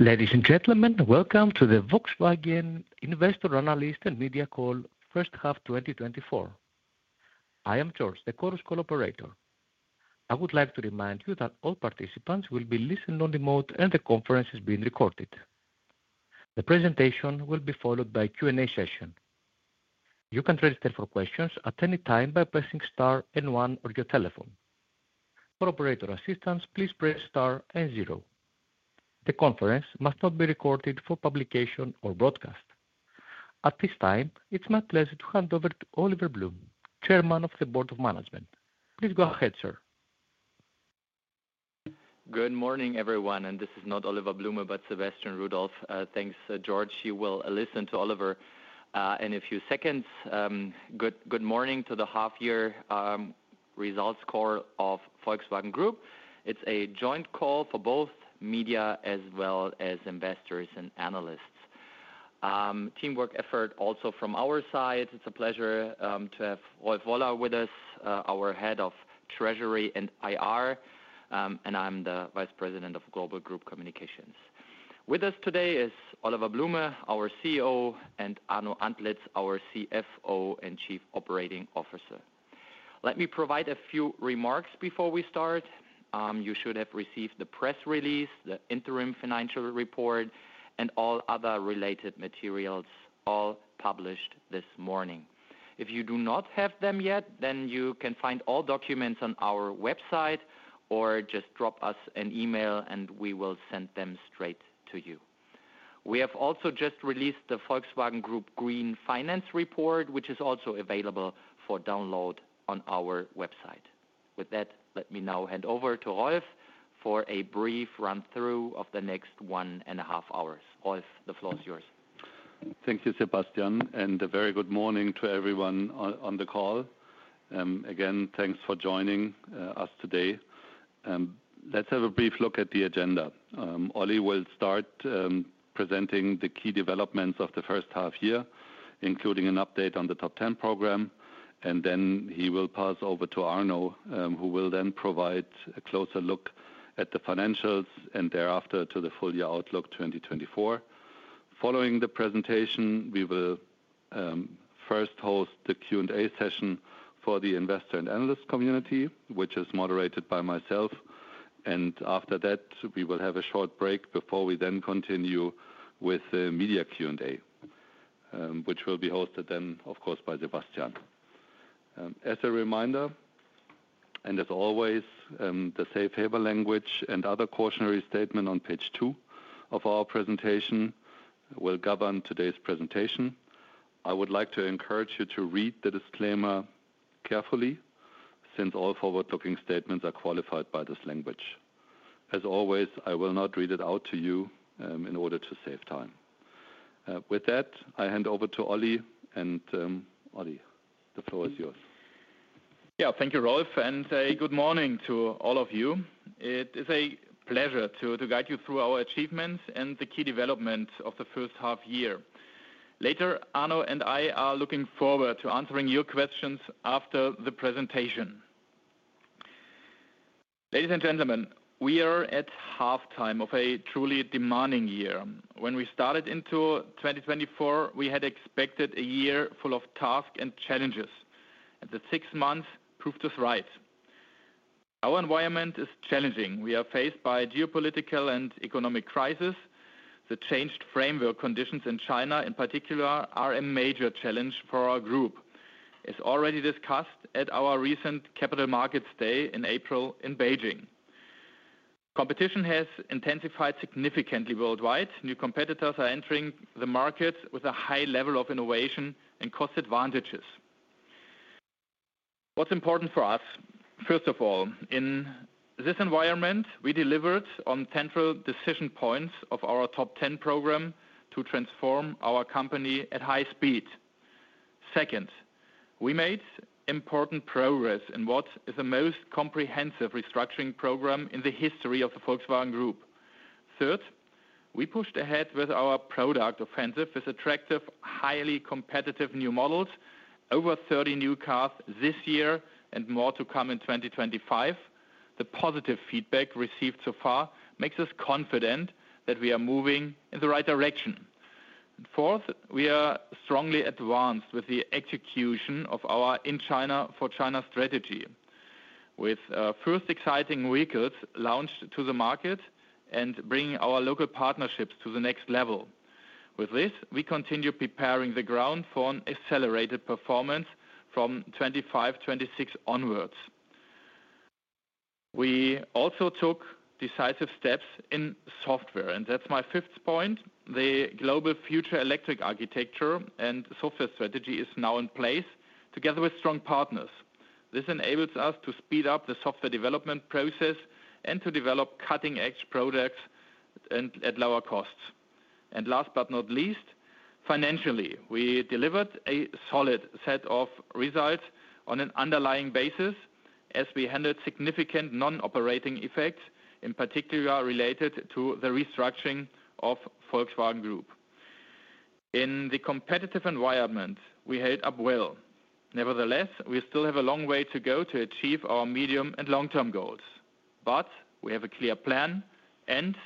Ladies and gentlemen, welcome to the Volkswagen Investor Analyst and Media Call, First Half 2024. I am George, the call's operator. I would like to remind you that all participants will be listened on remote, and the conference is being recorded. The presentation will be followed by a Q&A session. You can register for questions at any time by pressing star and one on your telephone. For operator assistance, please press star and zero. The conference must not be recorded for publication or broadcast. At this time, it's my pleasure to hand over to Oliver Blume, Chairman of the Board of Management. Please go ahead, sir. Good morning, everyone. This is not Oliver Blume but Sebastian Rudolph. Thanks, George. You will listen to Oliver in a few seconds. Good morning to the half-year results call of Volkswagen Group. It's a joint call for both media as well as investors and analysts. Teamwork effort also from our side. It's a pleasure to have Rolf Woller with us, our Head of Treasury and IR, and I'm the Vice President of Global Group Communications. With us today is Oliver Blume, our CEO, and Arno Antlitz, our CFO and Chief Operating Officer. Let me provide a few remarks before we start. You should have received the press release, the interim financial report, and all other related materials, all published this morning. If you do not have them yet, then you can find all documents on our website or just drop us an email, and we will send them straight to you. We have also just released the Volkswagen Group Green Finance Report, which is also available for download on our website. With that, let me now hand over to Rolf for a brief run-through of the next one and a half hours. Rolf, the floor is yours. Thank you, Sebastian, and a very good morning to everyone on the call. Again, thanks for joining us today. Let's have a brief look at the agenda. Oliver will start presenting the key developments of the first half year, including an update on the Top 10 Program, and then he will pass over to Arno, who will then provide a closer look at the financials and thereafter to the full-year outlook 2024. Following the presentation, we will first host the Q&A session for the investor and analyst community, which is moderated by myself. After that, we will have a short break before we then continue with the media Q&A, which will be hosted then, of course, by Sebastian. As a reminder, and as always, the safe harbor language and other cautionary statements on page two of our presentation will govern today's presentation. I would like to encourage you to read the disclaimer carefully, since all forward-looking statements are qualified by this language. As always, I will not read it out to you in order to save time. With that, I hand over to Oliver. And Oliver, the floor is yours. Yeah, thank you, Rolf, and a good morning to all of you. It is a pleasure to guide you through our achievements and the key developments of the first half year. Later, Arno and I are looking forward to answering your questions after the presentation. Ladies and gentlemen, we are at halftime of a truly demanding year. When we started into 2024, we had expected a year full of tasks and challenges, and the six months proved us right. Our environment is challenging. We are faced by geopolitical and economic crises. The changed framework conditions in China, in particular, are a major challenge for our group. As already discussed at our recent Capital Markets Day in April in Beijing, competition has intensified significantly worldwide. New competitors are entering the market with a high level of innovation and cost advantages. What's important for us? First of all, in this environment, we delivered on central decision points of our Top 10 Program to transform our company at high speed. Second, we made important progress in what is the most comprehensive restructuring program in the history of the Volkswagen Group. Third, we pushed ahead with our product offensive with attractive, highly competitive new models, over 30 new cars this year and more to come in 2025. The positive feedback received so far makes us confident that we are moving in the right direction. And fourth, we are strongly advanced with the execution of our In China for China strategy, with first exciting vehicles launched to the market and bringing our local partnerships to the next level. With this, we continue preparing the ground for an accelerated performance from 2025, 2026 onwards. We also took decisive steps in software, and that's my fifth point. The Global Future Electric Architecture and Software Strategy is now in place together with strong partners. This enables us to speed up the software development process and to develop cutting-edge products at lower costs. Last but not least, financially, we delivered a solid set of results on an underlying basis as we handled significant non-operating effects, in particular related to the restructuring of Volkswagen Group. In the competitive environment, we held up well. Nevertheless, we still have a long way to go to achieve our medium and long-term goals, but we have a clear plan, and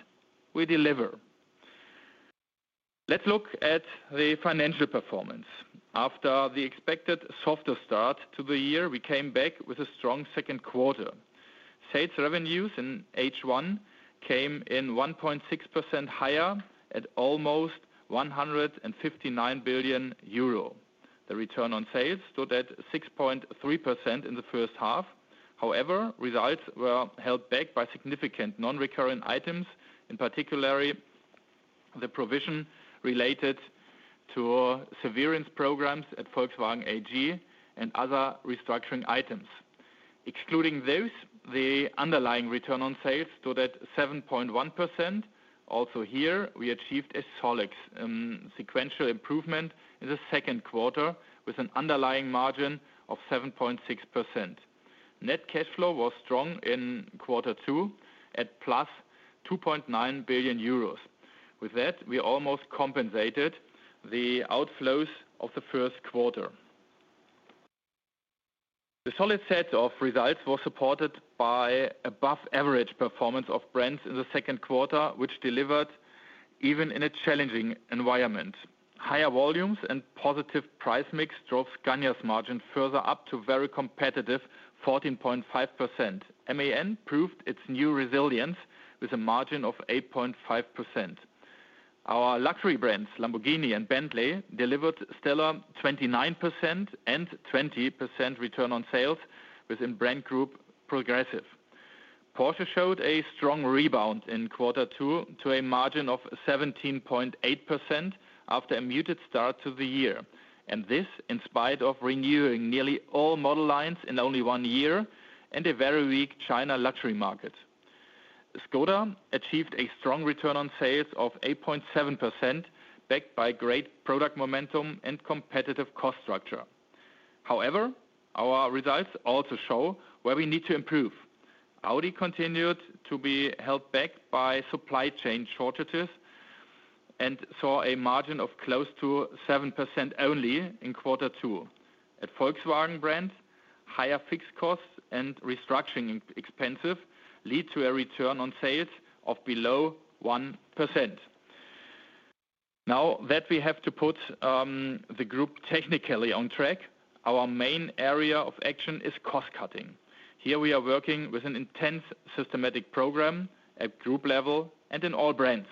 we deliver. Let's look at the financial performance. After the expected softer start to the year, we came back with a strong Q2. Sales revenues in H1 came in 1.6% higher at almost 159 billion euro. The return on sales stood at 6.3% in the first half. However, results were held back by significant non-recurring items, in particular the provision related to severance programs at Volkswagen AG and other restructuring items. Excluding those, the underlying return on sales stood at 7.1%. Also here, we achieved a solid sequential improvement in the Q2 with an underlying margin of 7.6%. Net cash flow was strong in Q2 at +2.9 billion euros. With that, we almost compensated the outflows of the Q1. The solid set of results was supported by above-average performance of brands in the Q1, which delivered even in a challenging environment. Higher volumes and positive price mix drove Scania's margin further up to very competitive 14.5%. MAN proved its new resilience with a margin of 8.5%. Our luxury brands, Lamborghini and Bentley, delivered stellar 29% and 20% return on sales within Brand Group Progressive. Porsche showed a strong rebound in Q2 to a margin of 17.8% after a muted start to the year, and this in spite of renewing nearly all model lines in only one year and a very weak China luxury market. Škoda achieved a strong return on sales of 8.7%, backed by great product momentum and competitive cost structure. However, our results also show where we need to improve. Audi continued to be held back by supply chain shortages and saw a margin of close to 7% only in Q2. At Volkswagen brands, higher fixed costs and restructuring expenses lead to a return on sales of below 1%. Now that we have to put the group technically on track, our main area of action is cost cutting. Here we are working with an intense systematic program at group level and in all brands.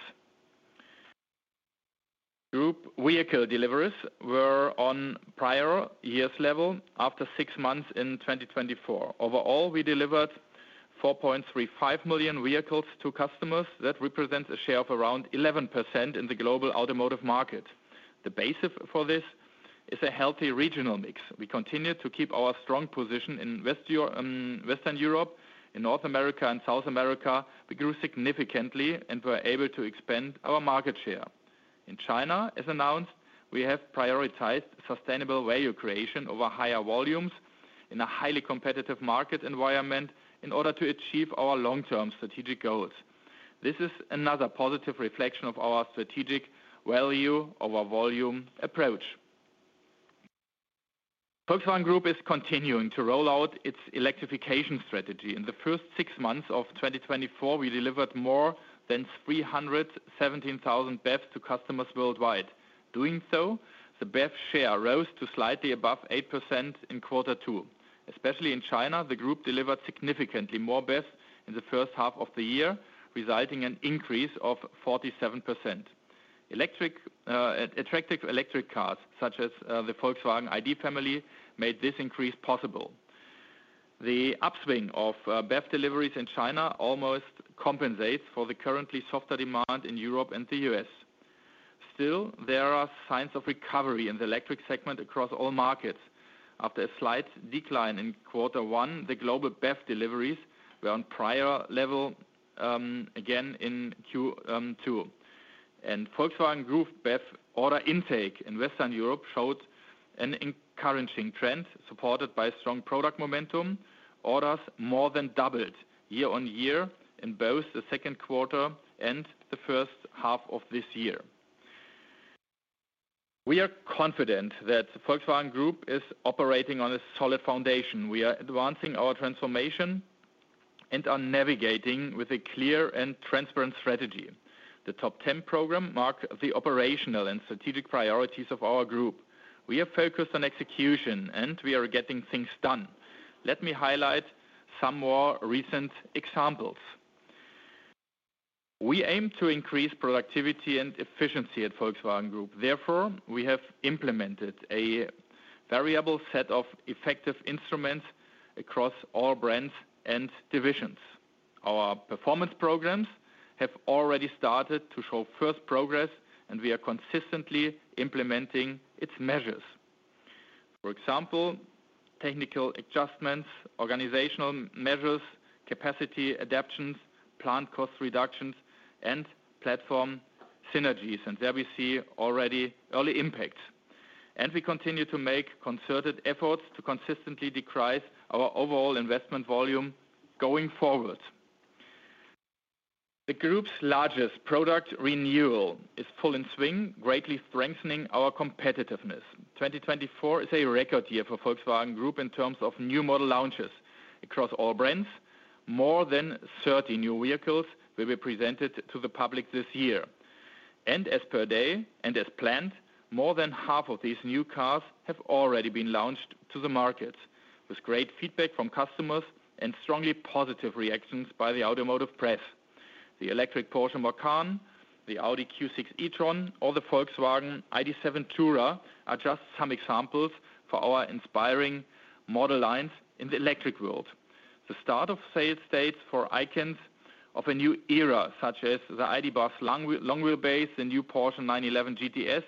Group vehicle deliveries were on prior year's level after six months in 2024. Overall, we delivered 4.35 million vehicles to customers. That represents a share of around 11% in the global automotive market. The basis for this is a healthy regional mix. We continue to keep our strong position in Western Europe, in North America, and South America. We grew significantly and were able to expand our market share. In China, as announced, we have prioritized sustainable value creation over higher volumes in a highly competitive market environment in order to achieve our long-term strategic goals. This is another positive reflection of our strategic value over volume approach. Volkswagen Group is continuing to roll out its electrification strategy. In the first six months of 2024, we delivered more than 317,000 BEVs to customers worldwide. Doing so, the BEV share rose to slightly above 8% in Q2. Especially in China, the group delivered significantly more BEVs in the first half of the year, resulting in an increase of 47%. Attractive electric cars, such as the Volkswagen ID. family, made this increase possible. The upswing of BEV deliveries in China almost compensates for the currently softer demand in Europe and the U.S. Still, there are signs of recovery in the electric segment across all markets. After a slight decline in Q1, the global BEV deliveries were on prior level again in Q2. Volkswagen Group BEV order intake in Western Europe showed an encouraging trend supported by strong product momentum. Orders more than doubled year-on-year in both the Q1 and the first half of this year. We are confident that Volkswagen Group is operating on a solid foundation. We are advancing our transformation and are navigating with a clear and transparent strategy. The Top 10 Program marks the operational and strategic priorities of our group. We are focused on execution, and we are getting things done. Let me highlight some more recent examples. We aim to increase productivity and efficiency at Volkswagen Group. Therefore, we have implemented a variable set of effective instruments across all brands and divisions. Our performance programs have already started to show first progress, and we are consistently implementing its measures. For example, technical adjustments, organizational measures, capacity adaptations, plant cost reductions, and platform synergies, and there we see already early impacts. And we continue to make concerted efforts to consistently decrease our overall investment volume going forward. The group's largest product renewal is in full swing, greatly strengthening our competitiveness. 2024 is a record year for Volkswagen Group in terms of new model launches across all brands. More than 30 new vehicles will be presented to the public this year. As of today and as planned, more than half of these new cars have already been launched to the market, with great feedback from customers and strongly positive reactions by the automotive press. The electric Porsche Macan, the Audi Q6 e-tron, or the Volkswagen ID.7 Tourer are just some examples for our inspiring model lines in the electric world. The start of sales dates for icons of a new era, such as the ID. Buzz long wheelbase, the new Porsche 911 Carrera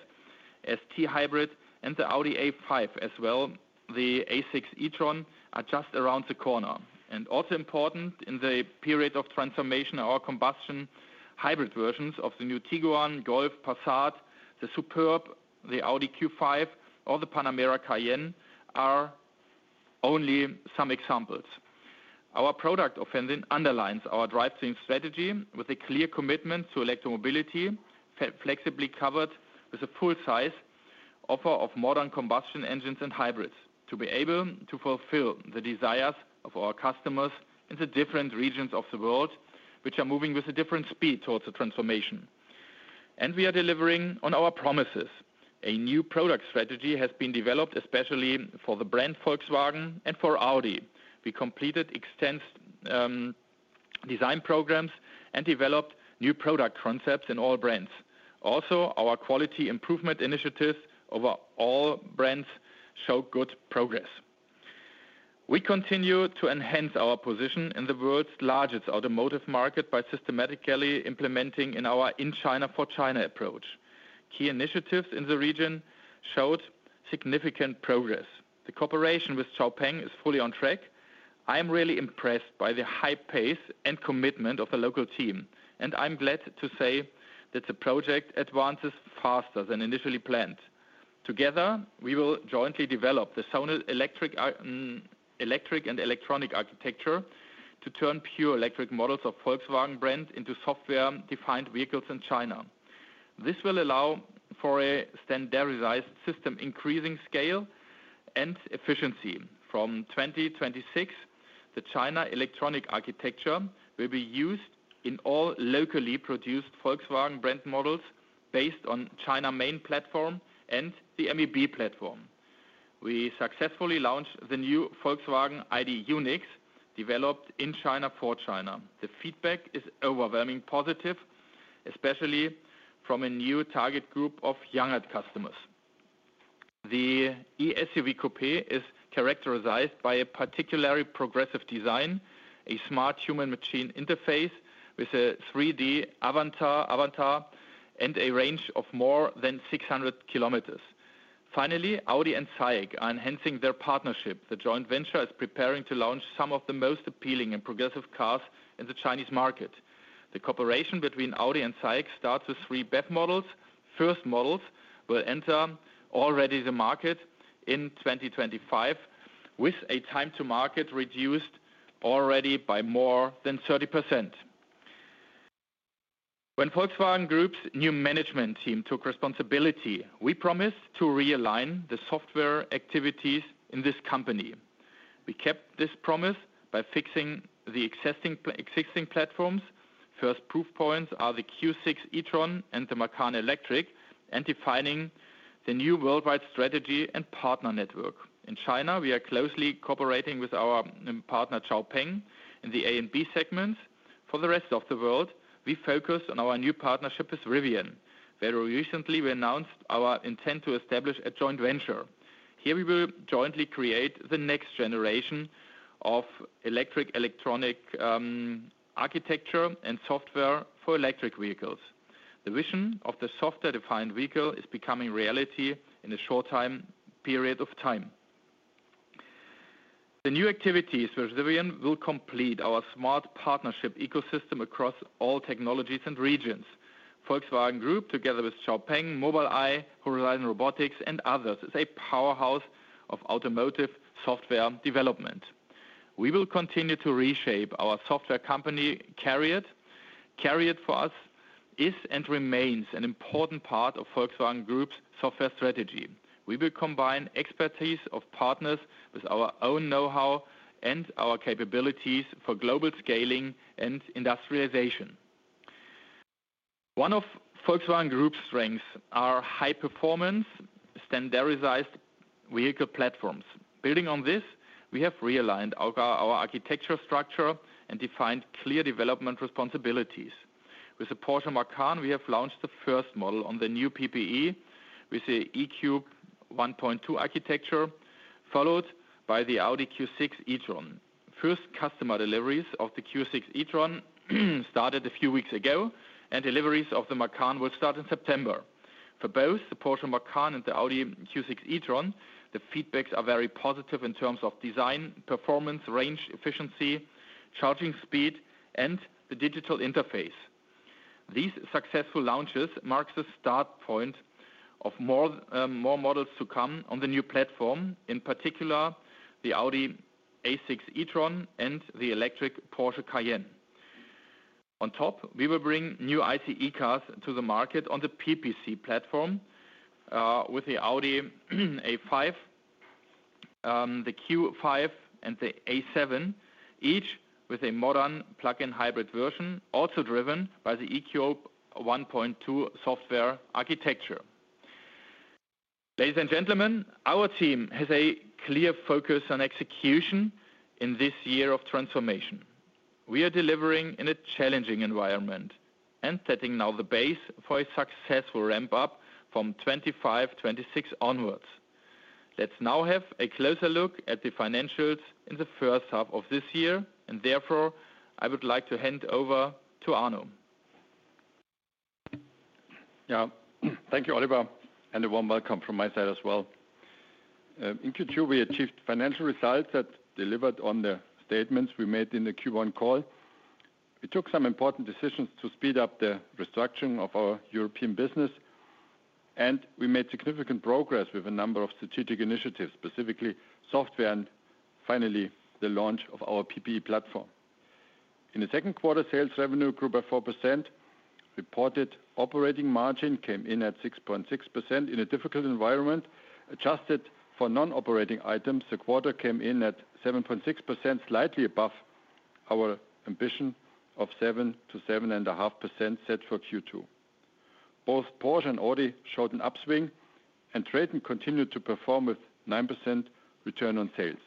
GTS, and the Audi A5, as well as the A6 e-tron, are just around the corner. Also important in the period of transformation, our combustion hybrid versions of the new Tiguan, Golf, Passat, the Superb, the Audi Q5, or the Panamera, Cayenne are only some examples. Our product offensive underlines our drivetrain strategy with a clear commitment to electromobility, flexibly covered with a full-size offer of modern combustion engines and hybrids to be able to fulfill the desires of our customers in the different regions of the world, which are moving with a different speed towards the transformation. We are delivering on our promises. A new product strategy has been developed, especially for the brand Volkswagen and for Audi. We completed extensive design programs and developed new product concepts in all brands. Also, our quality improvement initiatives over all brands show good progress. We continue to enhance our position in the world's largest automotive market by systematically implementing our In China for China approach. Key initiatives in the region showed significant progress. The cooperation with XPENG is fully on track. I am really impressed by the high pace and commitment of the local team, and I'm glad to say that the project advances faster than initially planned. Together, we will jointly develop the zonal electric and electronic architecture to turn pure electric models of Volkswagen brand into software-defined vehicles in China. This will allow for a standardized system, increasing scale and efficiency. From 2026, the China Electronic Architecture will be used in all locally produced Volkswagen brand models based on China Main Platform and the MEB platform. We successfully launched the new Volkswagen ID. UNYX, developed in China for China. The feedback is overwhelmingly positive, especially from a new target group of younger customers. The E-SUV coupé is characterized by a particularly progressive design, a smart human-machine interface with a 3D avatar and a range of more than 600 km. Finally, Audi and SAIC are enhancing their partnership. The joint venture is preparing to launch some of the most appealing and progressive cars in the Chinese market. The cooperation between Audi and SAIC starts with three BEV models. First models will enter already the market in 2025, with a time-to-market reduced already by more than 30%. When Volkswagen Group's new management team took responsibility, we promised to realign the software activities in this company. We kept this promise by fixing the existing platforms. First proof points are the Q6 e-tron and the Macan Electric, and defining the new worldwide strategy and partner network. In China, we are closely cooperating with our partner XPENG in the A and B segments. For the rest of the world, we focus on our new partnership with Rivian, where we recently announced our intent to establish a joint venture. Here, we will jointly create the next generation of electric electronic architecture and software for electric vehicles. The vision of the software-defined vehicle is becoming reality in a short time period of time. The new activities with Rivian will complete our smart partnership ecosystem across all technologies and regions. Volkswagen Group, together with XPENG, Mobileye, Horizon Robotics, and others, is a powerhouse of automotive software development. We will continue to reshape our software company. CARIAD for us is and remains an important part of Volkswagen Group's software strategy. We will combine expertise of partners with our own know-how and our capabilities for global scaling and industrialization. One of Volkswagen Group's strengths is our high-performance standardized vehicle platforms. Building on this, we have realigned our architecture structure and defined clear development responsibilities. With the Porsche Macan, we have launched the first model on the new PPE with the E³ 1.2 architecture, followed by the Audi Q6 e-tron. First customer deliveries of the Q6 e-tron started a few weeks ago, and deliveries of the Macan will start in September. For both the Porsche Macan and the Audi Q6 e-tron, the feedbacks are very positive in terms of design, performance, range, efficiency, charging speed, and the digital interface. These successful launches mark the start point of more models to come on the new platform, in particular the Audi A6 e-tron and the electric Porsche Cayenne. On top, we will bring new ICE cars to the market on the PPC platform with the Audi A5, the Q5, and the A7, each with a modern plug-in hybrid version, also driven by the E³ 1.2 software architecture. Ladies and gentlemen, our team has a clear focus on execution in this year of transformation. We are delivering in a challenging environment and setting now the base for a successful ramp-up from 2025-2026 onwards. Let's now have a closer look at the financials in the first half of this year, and therefore, I would like to hand over to Arno. Yeah, thank you, Oliver, and a warm welcome from my side as well. In Q2, we achieved financial results that delivered on the statements we made in the Q1 call. We took some important decisions to speed up the restructuring of our European business, and we made significant progress with a number of strategic initiatives, specifically software and finally the launch of our PPE platform. In the Q2, sales revenue grew by 4%. Reported operating margin came in at 6.6%. In a difficult environment, adjusted for non-operating items, the quarter came in at 7.6%, slightly above our ambition of 7%-7.5% set for Q2. Both Porsche and Audi showed an upswing, and Traton continued to perform with 9% return on sales.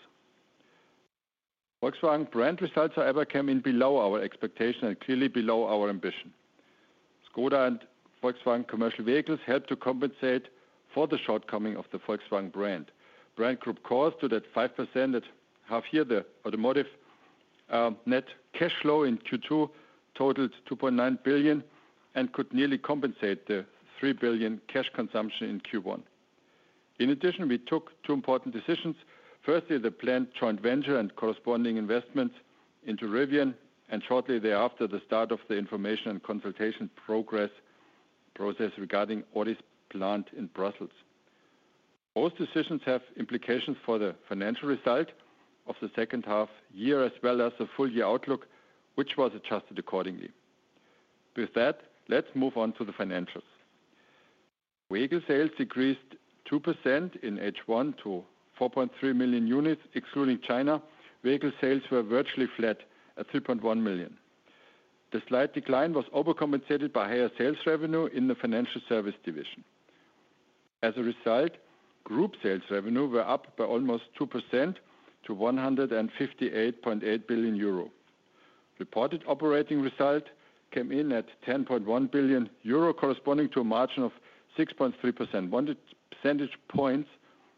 Volkswagen Brand results however came in below our expectations and clearly below our ambition. Škoda and Volkswagen Commercial Vehicles helped to compensate for the shortcoming of the Volkswagen Brand. The Brand Group contributed to that 5%. We have here the automotive Net Cash Flow in Q2 totaled 2.9 billion and could nearly compensate the 3 billion cash consumption in Q1. In addition, we took two important decisions. Firstly, the planned joint venture and corresponding investments into Rivian, and shortly thereafter the start of the information and consultation process regarding Audi's plant in Brussels. Those decisions have implications for the financial result of the second half year as well as the full year outlook, which was adjusted accordingly. With that, let's move on to the financials. Vehicle sales decreased 2% in H1 to 4.3 million units, excluding China. Vehicle sales were virtually flat at 3.1 million. The slight decline was overcompensated by higher sales revenue in the financial service division. As a result, group sales revenue were up by almost 2% to 158.8 billion euro. Reported operating result came in at 10.1 billion euro, corresponding to a margin of 6.3%, 1 percentage points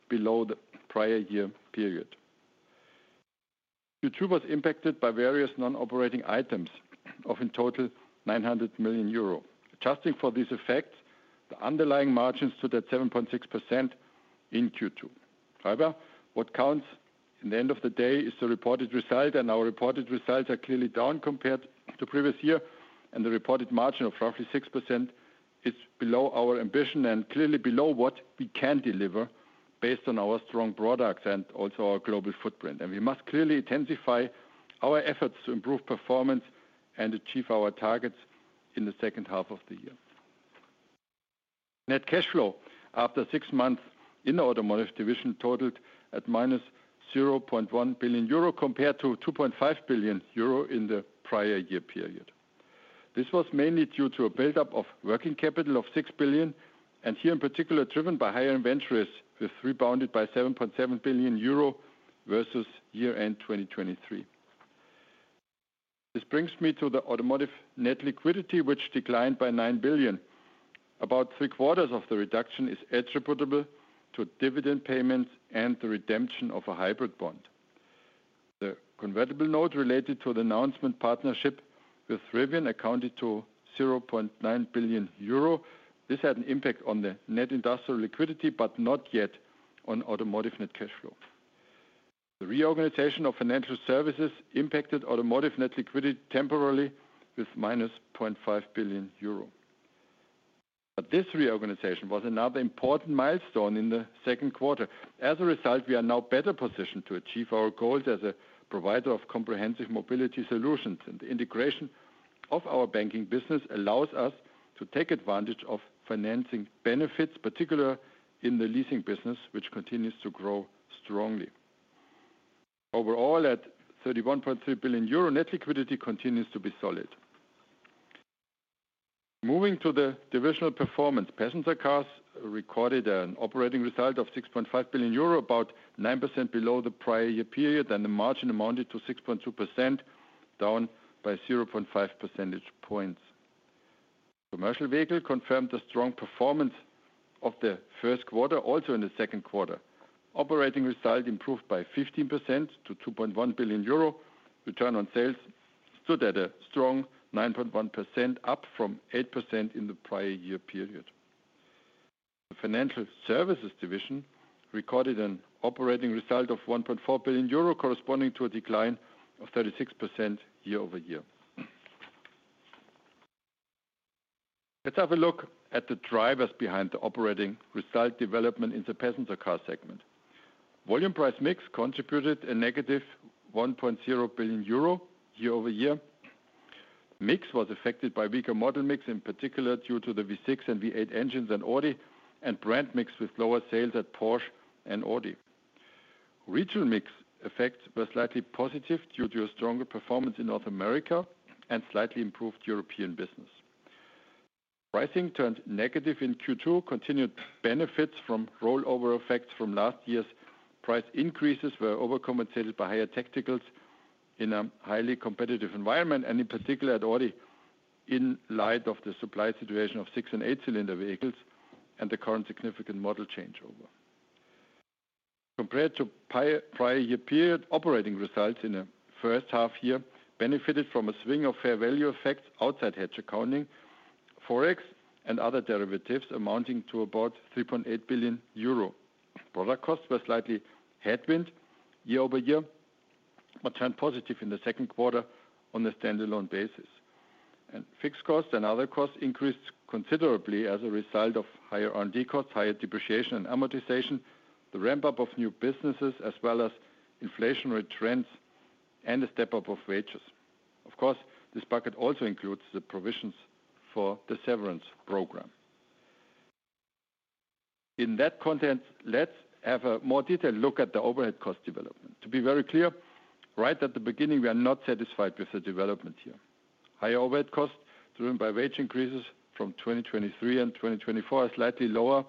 below the prior year period. Q2 was impacted by various non-operating items, of in total 900 million euro. Adjusting for these effects, the underlying margins stood at 7.6% in Q2. However, what counts in the end of the day is the reported result, and our reported results are clearly down compared to previous year, and the reported margin of roughly 6% is below our ambition and clearly below what we can deliver based on our strong products and also our global footprint. We must clearly intensify our efforts to improve performance and achieve our targets in the second half of the year. Net cash flow after six months in the automotive division totaled at minus 0.1 billion euro compared to 2.5 billion euro in the prior year period. This was mainly due to a build-up of working capital of 6 billion, and here in particular driven by higher inventories with rebounded by 7.7 billion euro versus year-end 2023. This brings me to the automotive net liquidity, which declined by 9 billion. About three quarters of the reduction is attributable to dividend payments and the redemption of a hybrid bond. The convertible note related to the announcement partnership with Rivian accounted to 0.9 billion euro. This had an impact on the net industrial liquidity, but not yet on automotive net cash flow. The reorganization of financial services impacted automotive net liquidity temporarily with minus 0.5 billion euro. But this reorganization was another important milestone in the Q2. As a result, we are now better positioned to achieve our goals as a provider of comprehensive mobility solutions, and the integration of our banking business allows us to take advantage of financing benefits, particularly in the leasing business, which continues to grow strongly. Overall, at 31.3 billion euro, net liquidity continues to be solid. Moving to the divisional performance, passenger cars recorded an operating result of 6.5 billion euro, about 9% below the prior year period, and the margin amounted to 6.2%, down by 0.5 percentage points. Commercial vehicle confirmed the strong performance of the Q1, also in the Q2. Operating result improved by 15% to 2.1 billion euro. Return on sales stood at a strong 9.1%, up from 8% in the prior year period. The financial services division recorded an operating result of 1.4 billion euro, corresponding to a decline of 36% year over year. Let's have a look at the drivers behind the operating result development in the passenger car segment. Volume price mix contributed a negative 1.0 billion euro year over year. Mix was affected by weaker model mix, in particular due to the V6 and V8 engines and Audi, and brand mix with lower sales at Porsche and Audi. Regional mix effects were slightly positive due to a stronger performance in North America and slightly improved European business. Pricing turned negative in Q2. Continued benefits from rollover effects from last year's price increases were overcompensated by higher tacticals in a highly competitive environment, and in particular at Audi, in light of the supply situation of six and eight-cylinder vehicles and the current significant model changeover. Compared to prior year period, operating results in the first half year benefited from a swing of fair value effects outside hedge accounting, Forex, and other derivatives amounting to about 3.8 billion euro. Product costs were slightly headwind year over year, but turned positive in the Q2 on a standalone basis. Fixed costs and other costs increased considerably as a result of higher R&D costs, higher depreciation and amortization, the ramp-up of new businesses, as well as inflationary trends and the step-up of wages. Of course, this bucket also includes the provisions for the severance program. In that context, let's have a more detailed look at the overhead cost development. To be very clear, right at the beginning, we are not satisfied with the development here. Higher overhead costs driven by wage increases from 2023 and 2024 are slightly lower.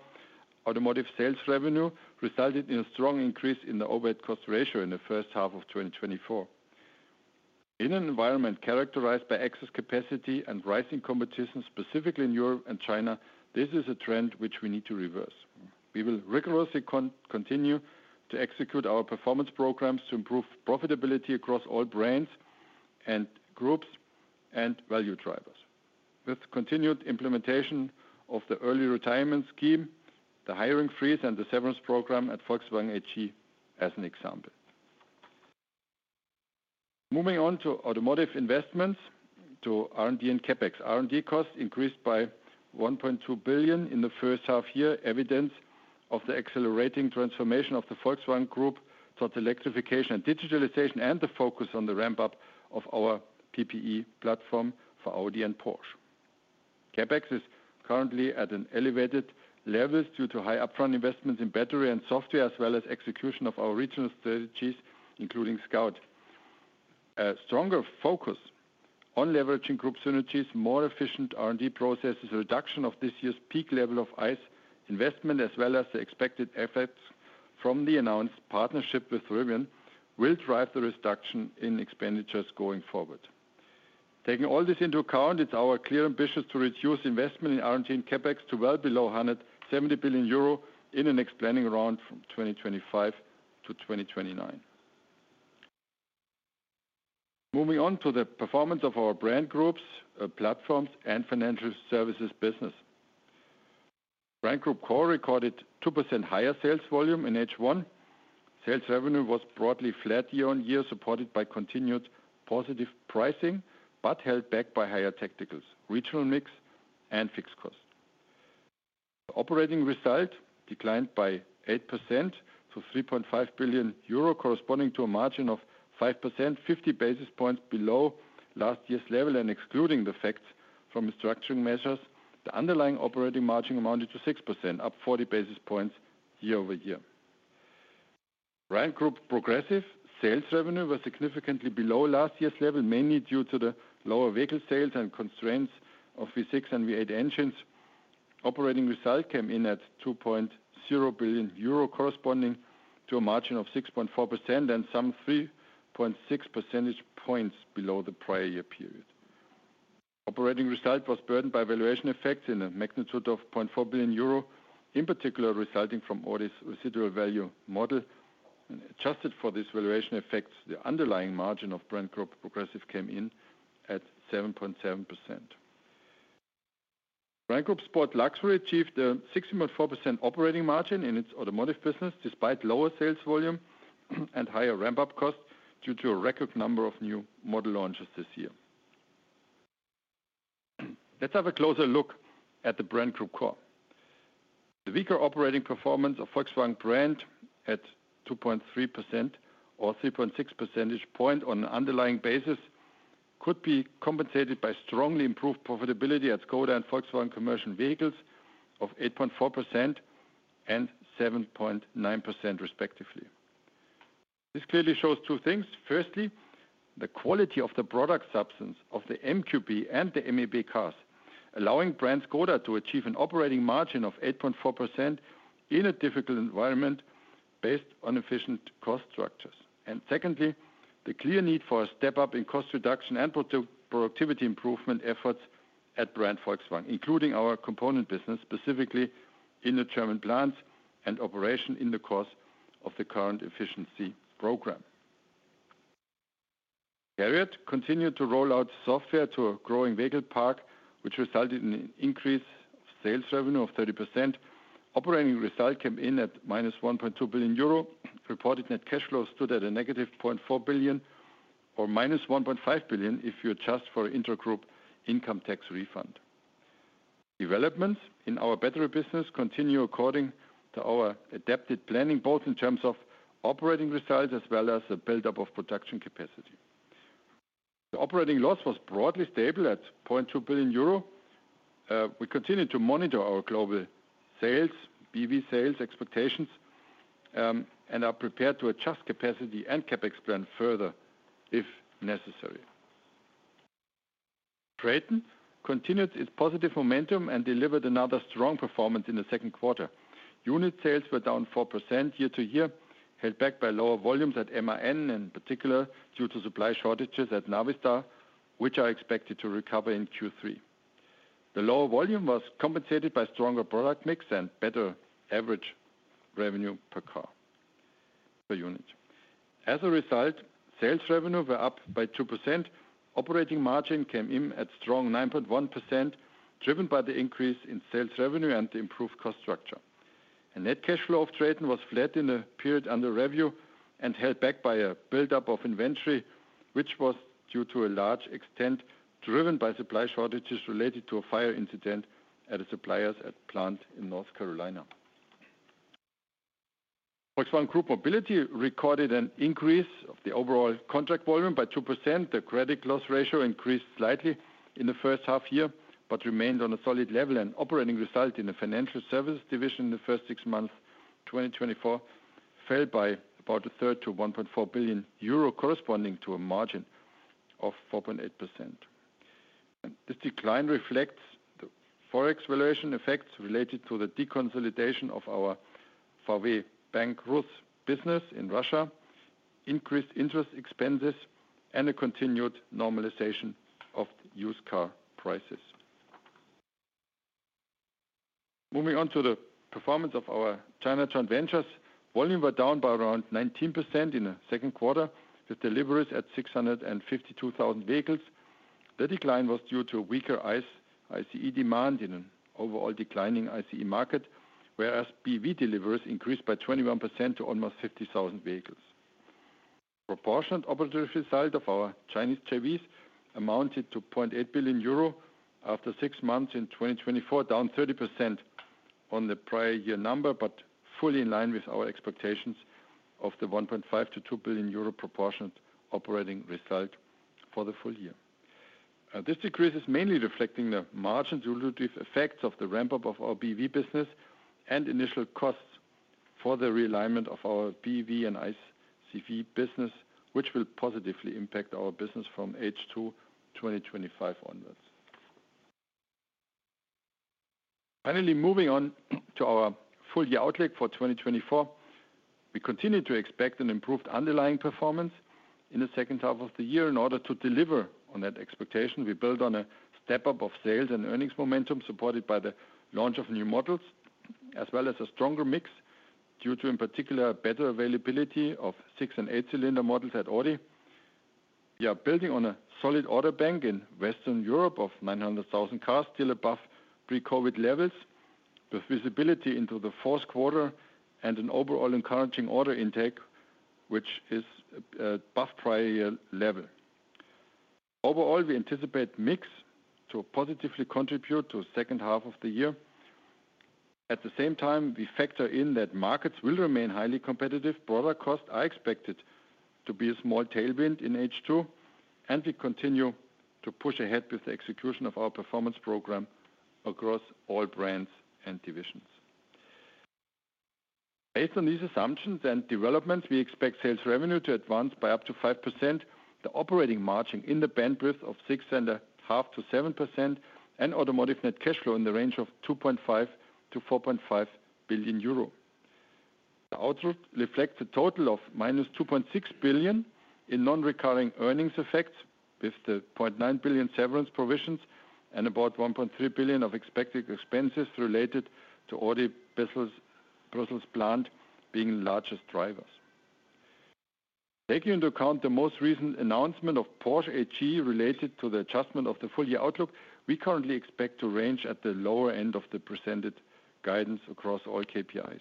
Automotive sales revenue resulted in a strong increase in the overhead cost ratio in the first half of 2024. In an environment characterized by excess capacity and rising competition, specifically in Europe and China, this is a trend which we need to reverse. We will rigorously continue to execute our performance programs to improve profitability across all brands and groups and value drivers, with continued implementation of the early retirement scheme, the hiring freeze, and the severance program at Volkswagen AG as an example. Moving on to automotive investments, to R&D and CapEx. R&D costs increased by 1.2 billion in the first half year, evidence of the accelerating transformation of the Volkswagen Group towards electrification and digitalization, and the focus on the ramp-up of our PPE platform for Audi and Porsche. CapEx is currently at an elevated level due to high upfront investments in battery and software, as well as execution of our regional strategies, including Scout. A stronger focus on leveraging group synergies, more efficient R&D processes, reduction of this year's peak level of ICE investment, as well as the expected effects from the announced partnership with Rivian, will drive the reduction in expenditures going forward. Taking all this into account, it's our clear ambition to reduce investment in R&D and CapEx to well below 170 billion euro in the next planning round from 2025 to 2029. Moving on to the performance of our brand groups, platforms, and financial services business. Brand group core recorded 2% higher sales volume in H1. Sales revenue was broadly flat year-on-year, supported by continued positive pricing, but held back by higher tacticals, regional mix, and fixed costs. Operating result declined by 8% to 3.5 billion euro, corresponding to a margin of 5%, 50 basis points below last year's level, and excluding the effects from restructuring measures, the underlying operating margin amounted to 6%, up 40 basis points year-over-year. Brand Group Progressive sales revenue was significantly below last year's level, mainly due to the lower vehicle sales and constraints of V6 and V8 engines. Operating result came in at 2.0 billion euro, corresponding to a margin of 6.4% and some 3.6 percentage points below the prior year period. Operating result was burdened by valuation effects in a magnitude of 0.4 billion euro, in particular resulting from Audi's residual value model. Adjusted for this valuation effect, the underlying margin of Brand Group Progressive came in at 7.7%. Brand Group Sport & Luxury achieved a 6.4% operating margin in its automotive business, despite lower sales volume and higher ramp-up costs due to a record number of new model launches this year. Let's have a closer look at the Brand Group Core. The weaker operating performance of Volkswagen brand at 2.3% or 3.6 percentage points on an underlying basis could be compensated by strongly improved profitability at Škoda and Volkswagen Commercial Vehicles of 8.4% and 7.9%, respectively. This clearly shows two things. Firstly, the quality of the product substance of the MQB and the MEB cars, allowing Brand Škoda to achieve an operating margin of 8.4% in a difficult environment based on efficient cost structures. Secondly, the clear need for a step-up in cost reduction and productivity improvement efforts at brand Volkswagen, including our component business, specifically in the German plants and operations in the course of the current efficiency program. CARIAD continued to roll out software to a growing vehicle park, which resulted in an increase of sales revenue of 30%. Operating result came in at minus 1.2 billion euro. Reported net cash flow stood at a negative 0.4 billion or minus 1.5 billion if you adjust for intergroup income tax refund. Developments in our battery business continue according to our adapted planning, both in terms of operating results as well as the build-up of production capacity. The operating loss was broadly stable at 0.2 billion euro. We continue to monitor our global sales, BEV sales expectations, and are prepared to adjust capacity and CapEx plan further if necessary. Traton continued its positive momentum and delivered another strong performance in the Q2. Unit sales were down 4% year-over-year, held back by lower volumes at MAN, in particular due to supply shortages at Navistar, which are expected to recover in Q3. The lower volume was compensated by stronger product mix and better average revenue per car per unit. As a result, sales revenue were up by 2%. Operating margin came in at strong 9.1%, driven by the increase in sales revenue and the improved cost structure. Net cash flow of Traton was flat in the period under review and held back by a build-up of inventory, which was due to a large extent driven by supply shortages related to a fire incident at a supplier's plant in North Carolina. Volkswagen Group Mobility recorded an increase of the overall contract volume by 2%. The credit loss ratio increased slightly in the first half year, but remained on a solid level. Operating result in the financial services division in the first six months of 2024 fell by about a third to 1.4 billion euro, corresponding to a margin of 4.8%. This decline reflects the Forex valuation effects related to the deconsolidation of our VW Bank Russia business in Russia, increased interest expenses, and a continued normalization of used car prices. Moving on to the performance of our China joint ventures, volume was down by around 19% in the Q2, with deliveries at 652,000 vehicles. The decline was due to weaker ICE demand in an overall declining ICE market, whereas BEV deliveries increased by 21% to almost 50,000 vehicles. Proportionate operating result of our Chinese JVs amounted to 0.8 billion euro after six months in 2024, down 30% on the prior year number, but fully in line with our expectations of the 1.5 billion-2 billion euro proportionate operating result for the full year. This decrease is mainly reflecting the margin-dilutive effects of the ramp-up of our EV business and initial costs for the realignment of our EV and ICE business, which will positively impact our business from H2 2025 onwards. Finally, moving on to our full year outlook for 2024, we continue to expect an improved underlying performance in the second half of the year. In order to deliver on that expectation, we build on a step-up of sales and earnings momentum supported by the launch of new models, as well as a stronger mix due to, in particular, better availability of six- and eight-cylinder models at Audi. We are building on a solid order bank in Western Europe of 900,000 cars, still above pre-COVID levels, with visibility into the Q4 and an overall encouraging order intake, which is above prior-year level. Overall, we anticipate mix to positively contribute to the second half of the year. At the same time, we factor in that markets will remain highly competitive. Broader costs are expected to be a small tailwind in H2, and we continue to push ahead with the execution of our performance program across all brands and divisions. Based on these assumptions and developments, we expect sales revenue to advance by up to 5%, the operating margin in the bandwidth of 6.5%-7%, and automotive net cash flow in the range of 2.5 billion-4.5 billion euro. The outlook reflects a total of -2.6 billion in non-recurring earnings effects, with the 0.9 billion severance provisions and about 1.3 billion of expected expenses related to Audi Brussels plant being the largest drivers. Taking into account the most recent announcement of Porsche AG related to the adjustment of the full year outlook, we currently expect to range at the lower end of the presented guidance across all KPIs.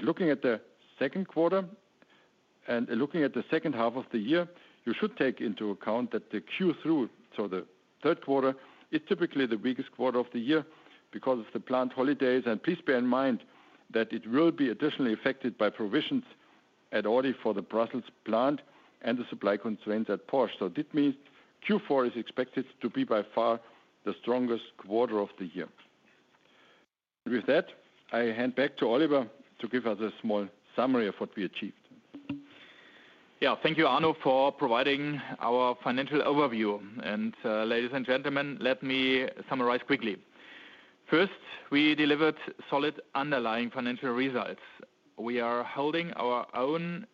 Looking at the Q2 and looking at the second half of the year, you should take into account that the Q3, so the Q3, is typically the weakest quarter of the year because of the plant holidays. Please bear in mind that it will be additionally affected by provisions at Audi for the Brussels plant and the supply constraints at Porsche. So that means Q4 is expected to be by far the strongest quarter of the year. With that, I hand back to Oliver to give us a small summary of what we achieved. Yeah, thank you, Arno, for providing our financial overview. And ladies and gentlemen, let me summarize quickly. First, we delivered solid underlying financial results. We are holding our own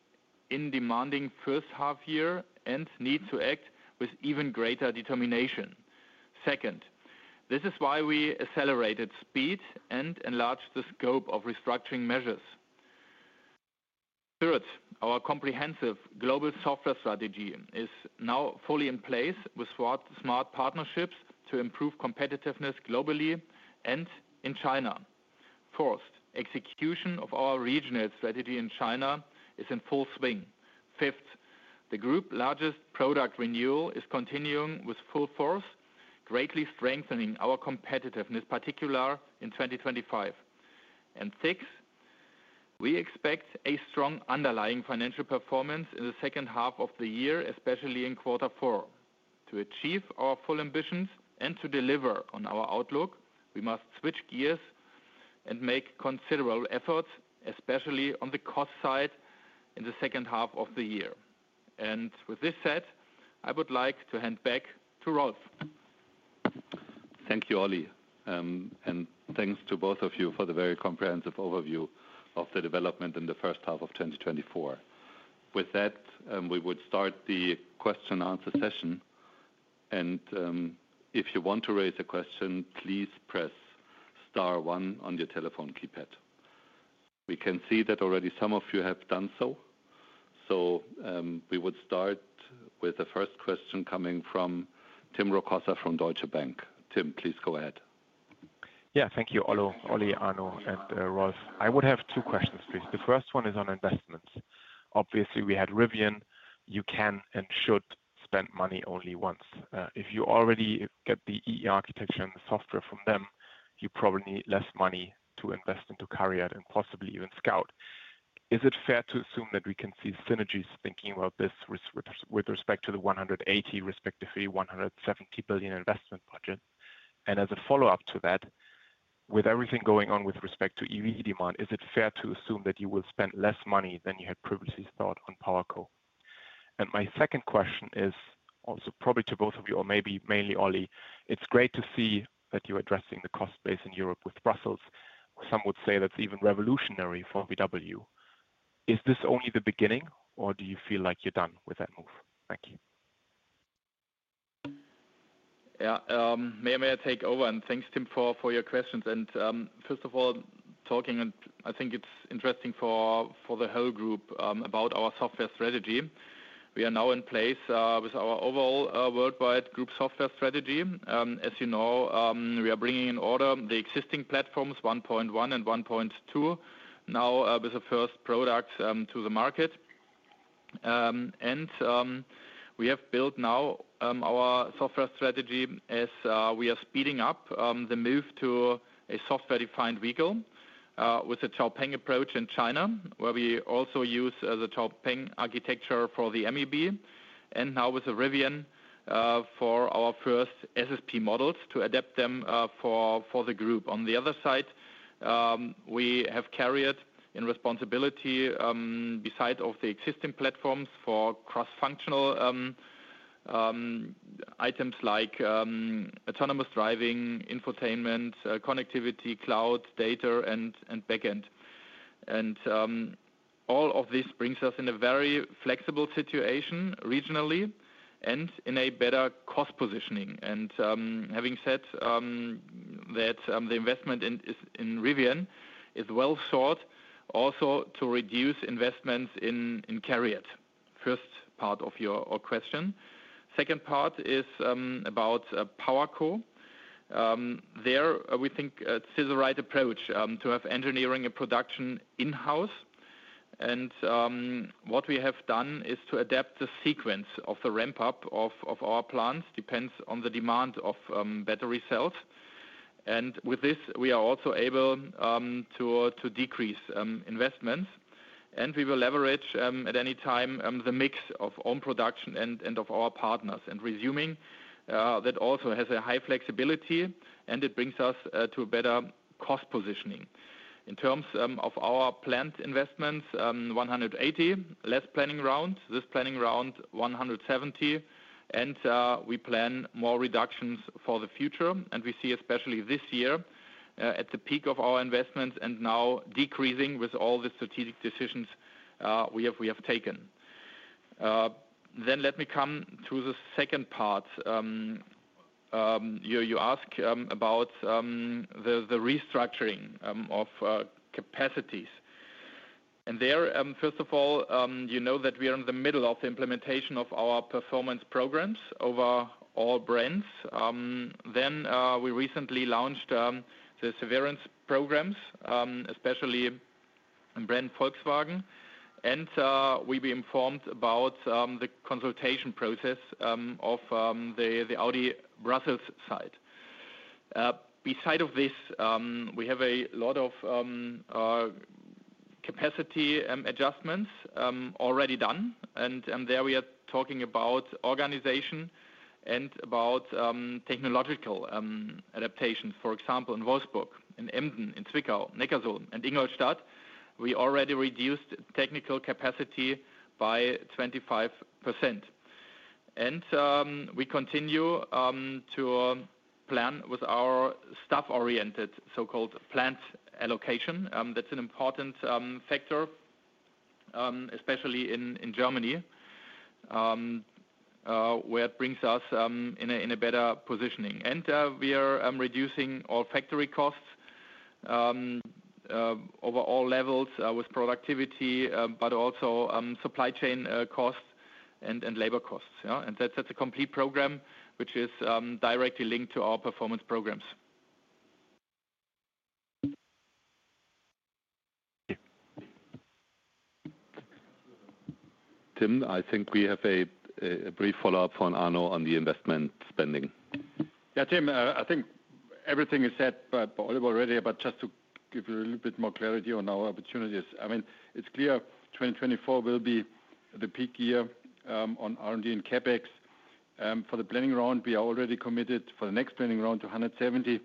in a demanding first half year and need to act with even greater determination. Second, this is why we accelerated speed and enlarged the scope of restructuring measures. Third, our comprehensive global software strategy is now fully in place with smart partnerships to improve competitiveness globally and in China. Fourth, execution of our regional strategy in China is in full swing. Fifth, the group's largest product renewal is continuing with full force, greatly strengthening our competitiveness, particularly in 2025. And sixth, we expect a strong underlying financial performance in the second half of the year, especially in Q4. To achieve our full ambitions and to deliver on our outlook, we must switch gears and make considerable efforts, especially on the cost side in the second half of the year. And with this said, I would like to hand back to Rolf. Thank you, Oli. And thanks to both of you for the very comprehensive overview of the development in the first half of 2024. With that, we would start the question-and-answer session. And if you want to raise a question, please press star one on your telephone keypad. We can see that already some of you have done so. So we would start with the first question coming from Tim Rokossa from Deutsche Bank. Tim, please go ahead. Yeah, thank you, Oli, Arno, and Rolf. I would have two questions, please. The first one is on investments. Obviously, we had Rivian. You can and should spend money only once. If you already get the E³ architecture and the software from them, you probably need less money to invest into CARIAD and possibly even Scout. Is it fair to assume that we can see synergies thinking about this with respect to the 180 billion, respectively 170 billion investment budget? And as a follow-up to that, with everything going on with respect to EV demand, is it fair to assume that you will spend less money than you had previously thought on PowerCo? And my second question is also probably to both of you, or maybe mainly Oli. It's great to see that you're addressing the cost base in Europe with Brussels. Some would say that's even revolutionary for VW. Is this only the beginning, or do you feel like you're done with that move? Thank you. Yeah, may I take over? And thanks, Tim, for your questions. First of all, talking, I think it's interesting for the whole group about our software strategy. We are now in place with our overall worldwide group software strategy. As you know, we are bringing in order the existing platforms, 1.1 and 1.2, now with the first products to the market. We have built now our software strategy as we are speeding up the move to a software-defined vehicle with an XPENG approach in China, where we also use the XPENG architecture for the MEB, and now with Rivian for our first SSP models to adapt them for the group. On the other side, we have carried in responsibility beside the existing platforms for cross-functional items like autonomous driving, infotainment, connectivity, cloud, data, and backend. All of this brings us in a very flexible situation regionally and in a better cost positioning. Having said that, the investment in Rivian is well sought also to reduce investments in CARIAD. First part of your question. Second part is about PowerCo. There, we think it's a right approach to have engineering and production in-house. What we have done is to adapt the sequence of the ramp-up of our plants, depends on the demand of battery cells. With this, we are also able to decrease investments. We will leverage at any time the mix of own production and of our partners. Resuming, that also has a high flexibility, and it brings us to a better cost positioning. In terms of our plant investments, 180 last Planning Round, this Planning Round, 170. We plan more reductions for the future. We see, especially this year, at the peak of our investments and now decreasing with all the strategic decisions we have taken. Let me come to the second part. You ask about the restructuring of capacities. There, first of all, you know that we are in the middle of the implementation of our performance programs over all brands. We recently launched the severance programs, especially brand Volkswagen. We've been informed about the consultation process of the Audi Brussels site. Besides this, we have a lot of capacity adjustments already done. There we are talking about organization and about technological adaptations. For example, in Wolfsburg, in Emden, in Zwickau, Neckarsulm, and Ingolstadt, we already reduced technical capacity by 25%. We continue to plan with our staff-oriented, so-called plant allocation. That's an important factor, especially in Germany, where it brings us in a better positioning. We are reducing all factory costs over all levels with productivity, but also supply chain costs and labor costs. That's a complete program, which is directly linked to our performance programs. Tim, I think we have a brief follow-up on Arno on the investment spending. Yeah, Tim, I think everything is said by Oliver already, but just to give you a little bit more clarity on our opportunities. I mean, it's clear 2024 will be the peak year on R&D and CapEx. For the planning round, we are already committed for the next planning round to 170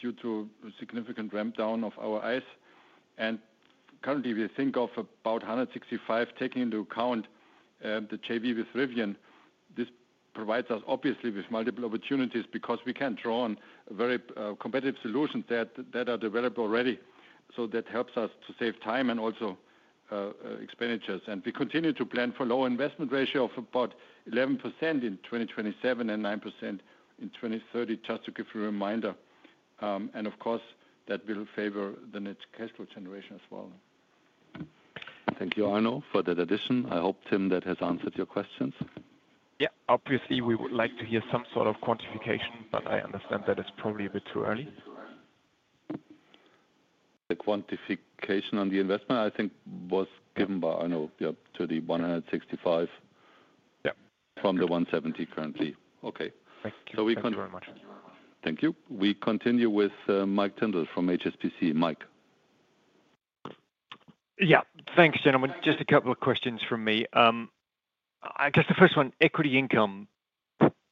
due to significant ramp-down of our ICE. Currently, we think of about 165 taking into account the JV with Rivian. This provides us, obviously, with multiple opportunities because we can draw on very competitive solutions that are developed already. So that helps us to save time and also expenditures. And we continue to plan for a low investment ratio of about 11% in 2027 and 9% in 2030, just to give you a reminder. And of course, that will favor the net cash flow generation as well. Thank you, Arno, for that addition. I hope, Tim, that has answered your questions. Yeah, obviously, we would like to hear some sort of quantification, but I understand that it's probably a bit too early. The quantification on the investment, I think, was given by Arno to the 165 from the 170 currently. Okay. Thank you very much. Thank you. We continue with Mike Tyndall from HSBC. Mike. Yeah, thanks, gentlemen. Just a couple of questions from me. I guess the first one, equity income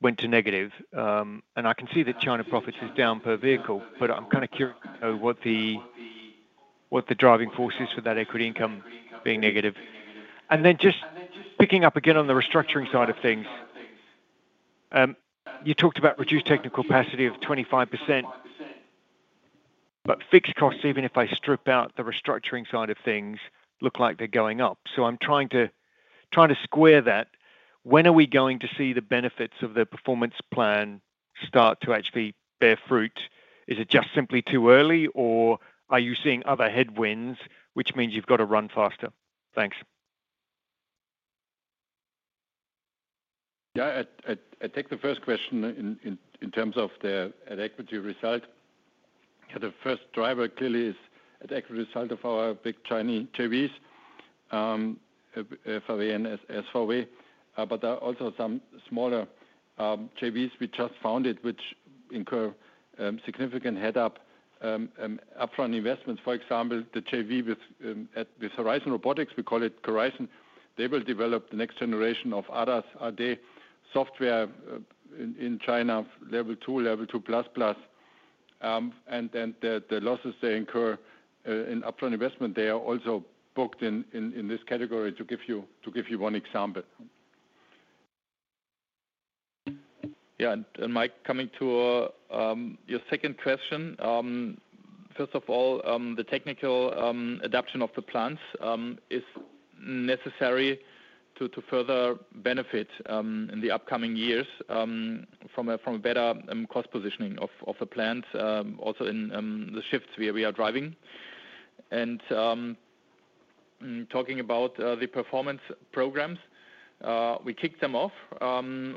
went to negative. And I can see that China profits is down per vehicle, but I'm kind of curious to know what the driving force is for that equity income being negative. And then just picking up again on the restructuring side of things, you talked about reduced technical capacity of 25%, but fixed costs, even if I strip out the restructuring side of things, look like they're going up. So I'm trying to square that. When are we going to see the benefits of the performance plan start to actually bear fruit? Is it just simply too early, or are you seeing other headwinds, which means you've got to run faster? Thanks. Yeah, I take the first question in terms of the equity result. The first driver clearly is the equity result of our big Chinese JVs, SVW, but there are also some smaller JVs we just founded, which incur significant head-up upfront investments. For example, the JV with Horizon Robotics, we call it Horizon. They will develop the next generation of ADAS, AD software in China, Level 2, Level 2++. And then the losses they incur in upfront investment, they are also booked in this category, to give you one example. Yeah, and Mike, coming to your second question, first of all, the technical adoption of the plants is necessary to further benefit in the upcoming years from a better cost positioning of the plants, also in the shifts we are driving. And talking about the performance programs, we kicked them off.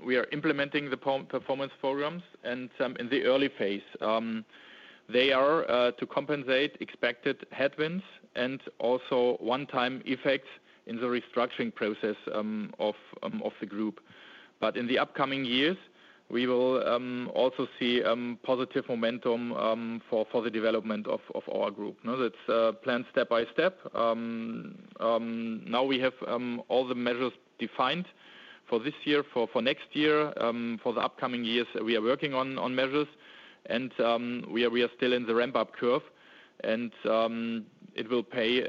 We are implementing the performance programs, and in the early phase, they are to compensate expected headwinds and also one-time effects in the restructuring process of the group. But in the upcoming years, we will also see positive momentum for the development of our group. That's planned step by step. Now we have all the measures defined for this year, for next year, for the upcoming years. We are working on measures, and we are still in the ramp-up curve. And it will pay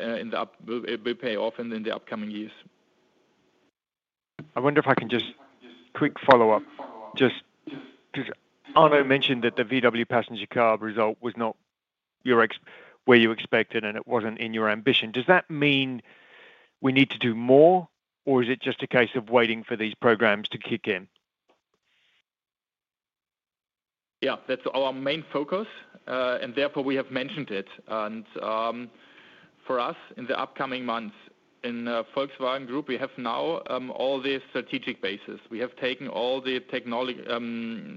off in the upcoming years. I wonder if I can just quick follow-up. Just Arno mentioned that the VW passenger car result was not where you expected, and it wasn't in your ambition. Does that mean we need to do more, or is it just a case of waiting for these programs to kick in? Yeah, that's our main focus, and therefore we have mentioned it. For us, in the upcoming months, in the Volkswagen Group, we have now all the strategic bases. We have taken all the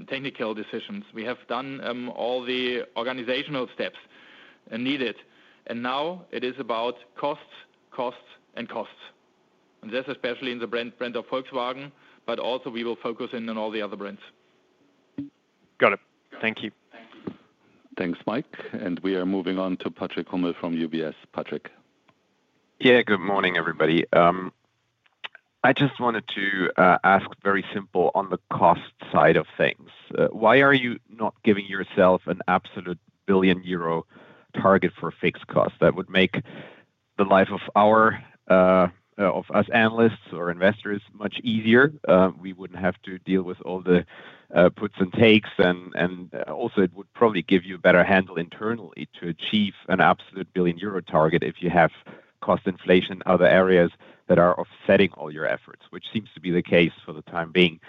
technical decisions. We have done all the organizational steps needed. Now it is about costs, costs, and costs. This is especially in the brand of Volkswagen, but also we will focus in on all the other brands. Got it. Thank you. Thanks, Mike. We are moving on to Patrick Hummel from UBS. Patrick. Yeah, good morning, everybody. I just wanted to ask very simple on the cost side of things. Why are you not giving yourself an absolute billion euro target for fixed costs? That would make the life of us analysts or investors much easier. We wouldn't have to deal with all the puts and takes. It would probably give you a better handle internally to achieve an absolute billion euro target if you have cost inflation in other areas that are offsetting all your efforts, which seems to be the case for the time being.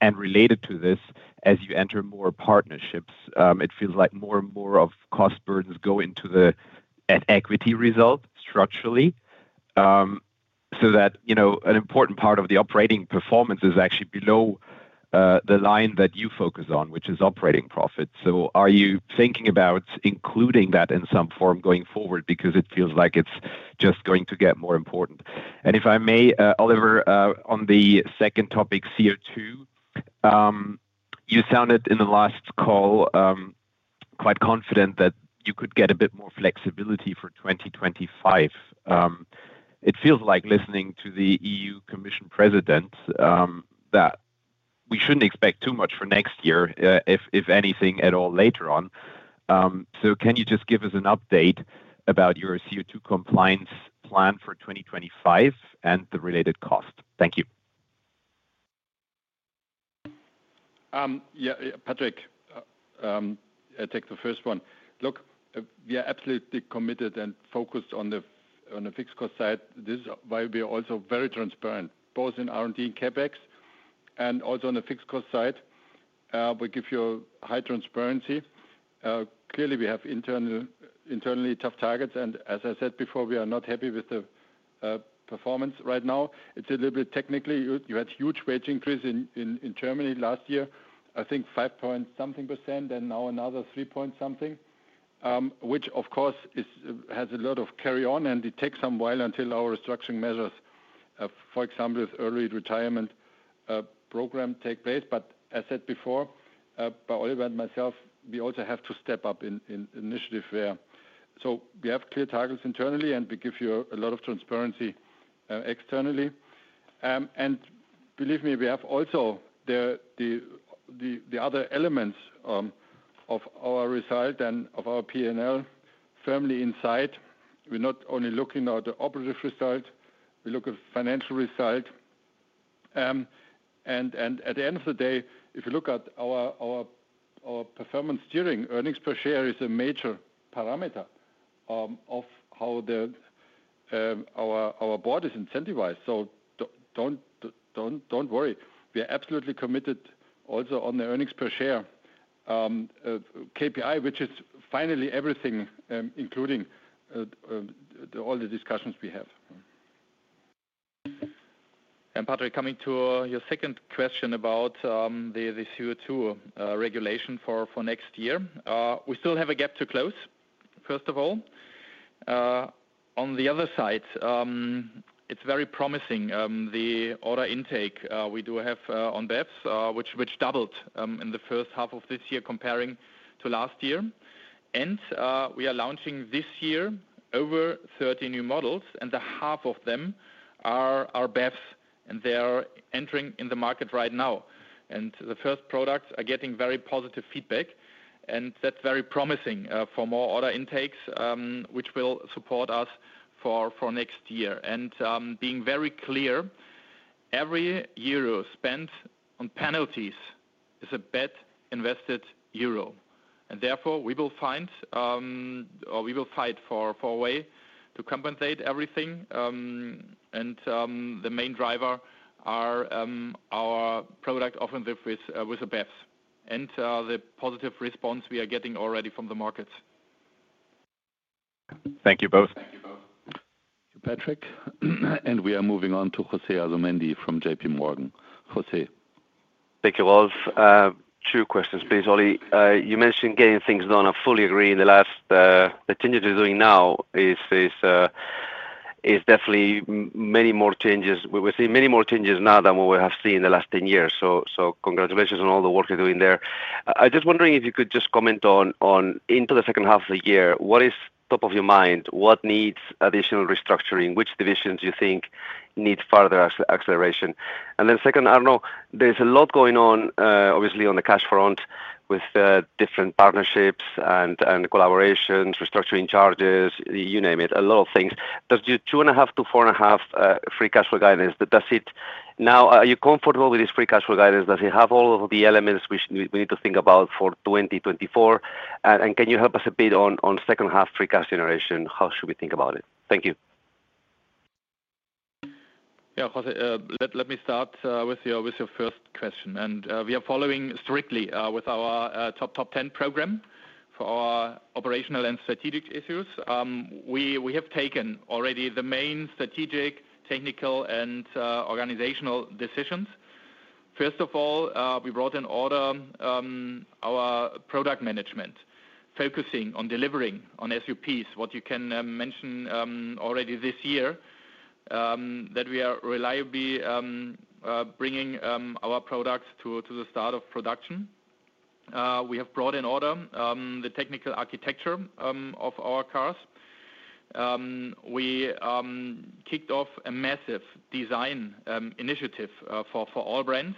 Related to this, as you enter more partnerships, it feels like more and more of cost burdens go into the equity result structurally so that an important part of the operating performance is actually below the line that you focus on, which is operating profits. So are you thinking about including that in some form going forward because it feels like it's just going to get more important? If I may, Oliver, on the second topic, CO2, you sounded in the last call quite confident that you could get a bit more flexibility for 2025. It feels like listening to the EU Commission President that we shouldn't expect too much for next year, if anything at all, later on. So can you just give us an update about your CO2 compliance plan for 2025 and the related cost? Thank you. Yeah, Patrick, I take the first one. Look, we are absolutely committed and focused on the fixed cost side. This is why we are also very transparent, both in R&D and CapEx, and also on the fixed cost side. We give you high transparency. Clearly, we have internally tough targets. And as I said before, we are not happy with the performance right now. It's a little bit technically. You had huge wage increase in Germany last year, I think 5 points something percent, and now another 3 points something, which, of course, has a lot of carry-on, and it takes some while until our restructuring measures, for example, with early retirement program, take place. But as I said before, by Oliver and myself, we also have to step up in initiative there. So we have clear targets internally, and we give you a lot of transparency externally. And believe me, we have also the other elements of our result and of our P&L firmly in sight. We're not only looking at the operative result. We look at the financial result. And at the end of the day, if you look at our performance during, earnings per share is a major parameter of how our board is incentivized. So don't worry. We are absolutely committed also on the earnings per share KPI, which is finally everything, including all the discussions we have. And Patrick, coming to your second question about the CO2 regulation for next year, we still have a gap to close, first of all. On the other side, it's very promising. The order intake we do have on BEVs, which doubled in the first half of this year comparing to last year. And we are launching this year over 30 new models, and half of them are BEVs, and they are entering in the market right now. And the first products are getting very positive feedback, and that's very promising for more order intakes, which will support us for next year. And being very clear, every euro spent on penalties is a bad invested euro. And therefore, we will find, or we will fight for a way to compensate everything. And the main driver are our product offerings with BEVs and the positive response we are getting already from the markets. Thank you both. Thank you, Patrick. And we are moving on to José Asumendi from JPMorgan. José. Thank you, Rolf. Two questions, please. Oli, you mentioned getting things done. I fully agree. The thing you're doing now is definitely many more changes. We're seeing many more changes now than what we have seen in the last 10 years. So congratulations on all the work you're doing there. I'm just wondering if you could just comment on, into the second half of the year, what is top of your mind? What needs additional restructuring? Which divisions do you think need further acceleration? Then second, Arno, there's a lot going on, obviously, on the cash front with different partnerships and collaborations, restructuring charges, you name it, a lot of things. Does your 2.5-4.5 free cash flow guidance, does it now, are you comfortable with this free cash flow guidance? Does it have all of the elements we need to think about for 2024? And can you help us a bit on second half free cash generation? How should we think about it? Thank you. Yeah, José, let me start with your first question. We are following strictly with our Top 10 Program for our operational and strategic issues. We have taken already the main strategic, technical, and organizational decisions. First of all, we brought in order our product management, focusing on delivering on SOPs, what you can mention already this year, that we are reliably bringing our products to the start of production. We have brought in order the technical architecture of our cars. We kicked off a massive design initiative for all brands,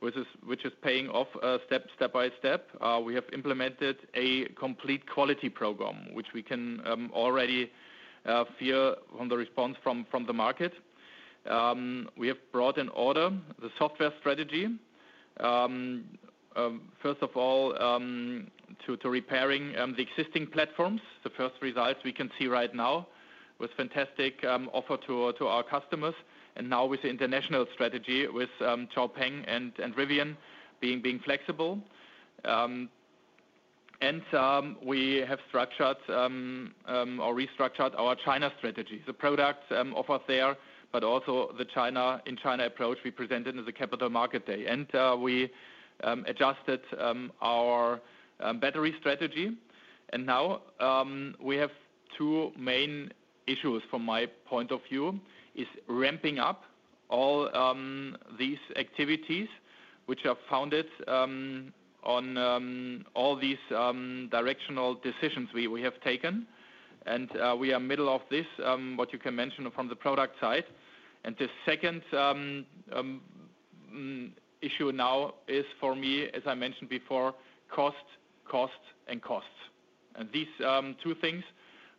which is paying off step by step. We have implemented a complete quality program, which we can already feel from the response from the market. We have brought in order the software strategy, first of all, to repairing the existing platforms. The first results we can see right now with fantastic offer to our customers. And now with the international strategy with XPENG and Rivian being flexible. And we have structured or restructured our China strategy, the product offer there, but also the In China for China approach we presented in the Capital Market Day. And we adjusted our battery strategy. And now we have two main issues from my point of view: ramping up all these activities, which are founded on all these directional decisions we have taken. And we are in the middle of this, what you can mention from the product side. And the second issue now is, for me, as I mentioned before, cost, cost, and costs. And these two things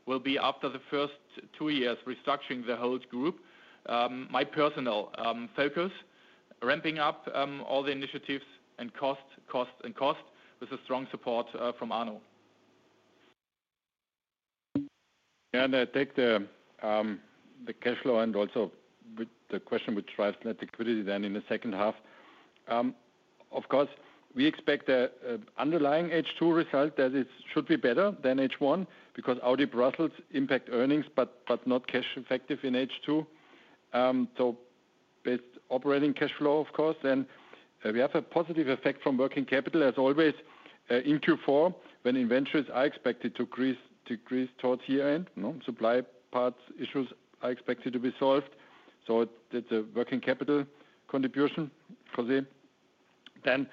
will be after the first two years restructuring the whole group. My personal focus, ramping up all the initiatives and cost, cost, and cost with strong support from Arno. Yeah, and I take the cash flow and also the question which drives net liquidity then in the second half. Of course, we expect the underlying H2 result that should be better than H1 because Audi Brussels impact earnings, but not cash effective in H2. So, based on operating cash flow, of course, then we have a positive effect from working capital as always in Q4 when inventories are expected to increase towards year-end. Supply parts issues are expected to be solved. So it's a working capital contribution, José. Then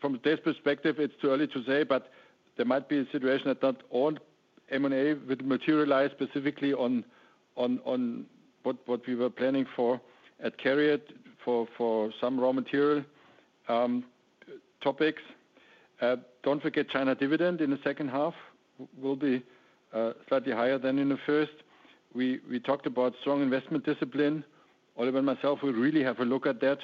from this perspective, it's too early to say, but there might be a situation that not all M&A will materialize specifically on what we were planning for at CARIAD for some raw material topics. Don't forget China dividend in the second half will be slightly higher than in the first. We talked about strong investment discipline. Oliver and myself will really have a look at that.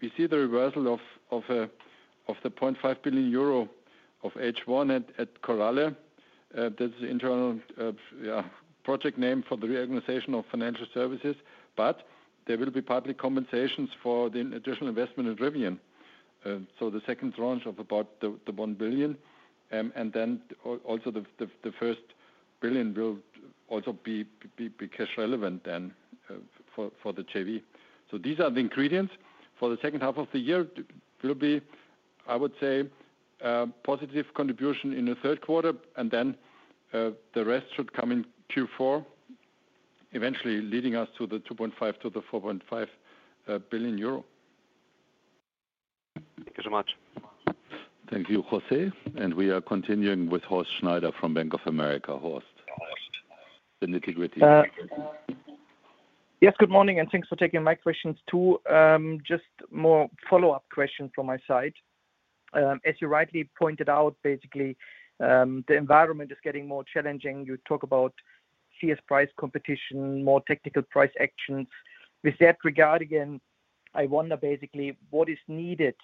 We see the reversal of 0.5 billion euro of H1 at Coral. That's the internal project name for the reorganization of financial services. But there will be partly compensations for the additional investment in Rivian. So the second tranche of about the 1 billion. And then also the 1 billion will also be cash relevant then for the JV. So these are the ingredients for the second half of the year. It will be, I would say, a positive contribution in the Q3, and then the rest should come in Q4, eventually leading us to the 2.5 billion-4.5 billion euro. Thank you so much. Thank you, José. And we are continuing with Horst Schneider from Bank of America. Horst, the nitty-gritty. Yes, good morning, and thanks for taking my questions too. Just more follow-up questions from my side. As you rightly pointed out, basically, the environment is getting more challenging. You talk about fierce price competition, more technical price actions. With that regard, again, I wonder basically what is needed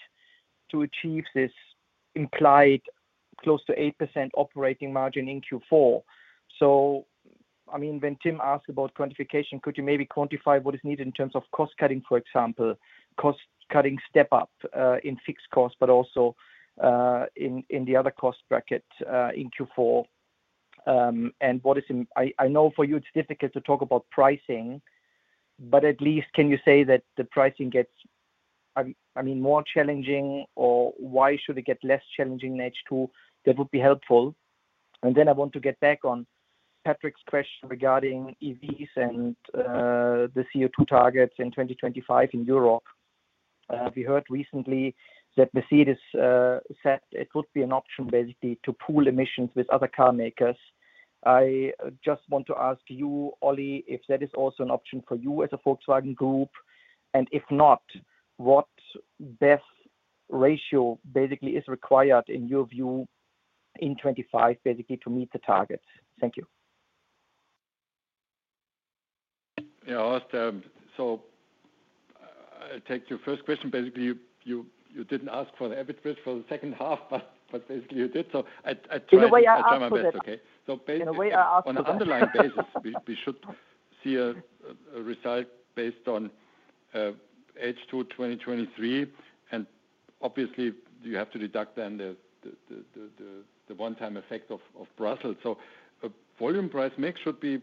to achieve this implied close to 8% operating margin in Q4. So I mean, when Tim asked about quantification, could you maybe quantify what is needed in terms of cost cutting, for example, cost cutting step-up in fixed costs, but also in the other cost brackets in Q4? And I know for you it's difficult to talk about pricing, but at least can you say that the pricing gets, I mean, more challenging, or why should it get less challenging in H2? That would be helpful. And then I want to get back on Patrick's question regarding EVs and the CO2 targets in 2025 in Europe. We heard recently that Mercedes said it would be an option basically to pool emissions with other car makers. I just want to ask you, Oli, if that is also an option for you as a Volkswagen Group, and if not, what best ratio basically is required in your view in 2025 basically to meet the targets? Thank you. Yeah, so I take your first question. Basically, you didn't ask for the average risk for the second half, but basically you did. So I try to understand that. In a way, I asked for that. Okay. So basically, on an underlying basis, we should see a result based on H2 2023. And obviously, you have to deduct then the one-time effect of Brussels. So volume price mix should be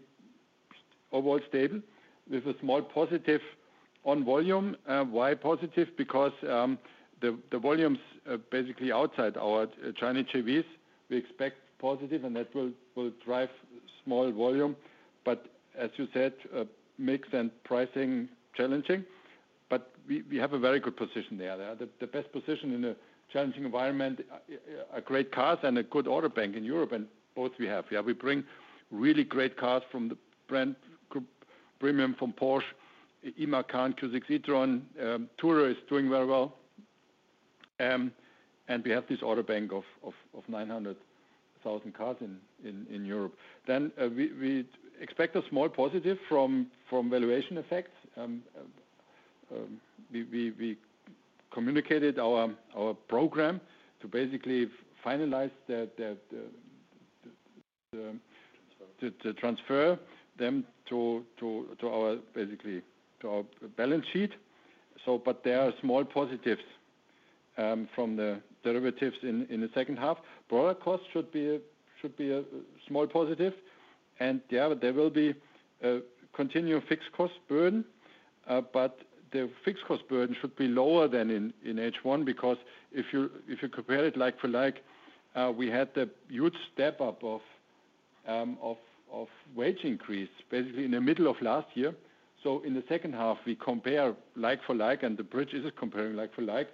overall stable with a small positive on volume. Why positive? Because the volumes basically outside our Chinese JVs, we expect positive, and that will drive small volume. But as you said, mix and pricing challenging. But we have a very good position there. The best position in a challenging environment, a great car and a good order bank in Europe, and both we have. Yeah, we bring really great cars from the Brand Premium from Porsche, Macan, Q6 e-tron. Tourer is doing very well. And we have this order bank of 900,000 cars in Europe. Then we expect a small positive from valuation effects. We communicated our program to basically finalize the transfer them to our basically to our balance sheet. But there are small positives from the derivatives in the second half. Product cost should be a small positive. And yeah, there will be a continued fixed cost burden, but the fixed cost burden should be lower than in H1 because if you compare it like for like, we had the huge step-up of wage increase basically in the middle of last year. So in the second half, we compare like for like, and the bridge is comparing like for like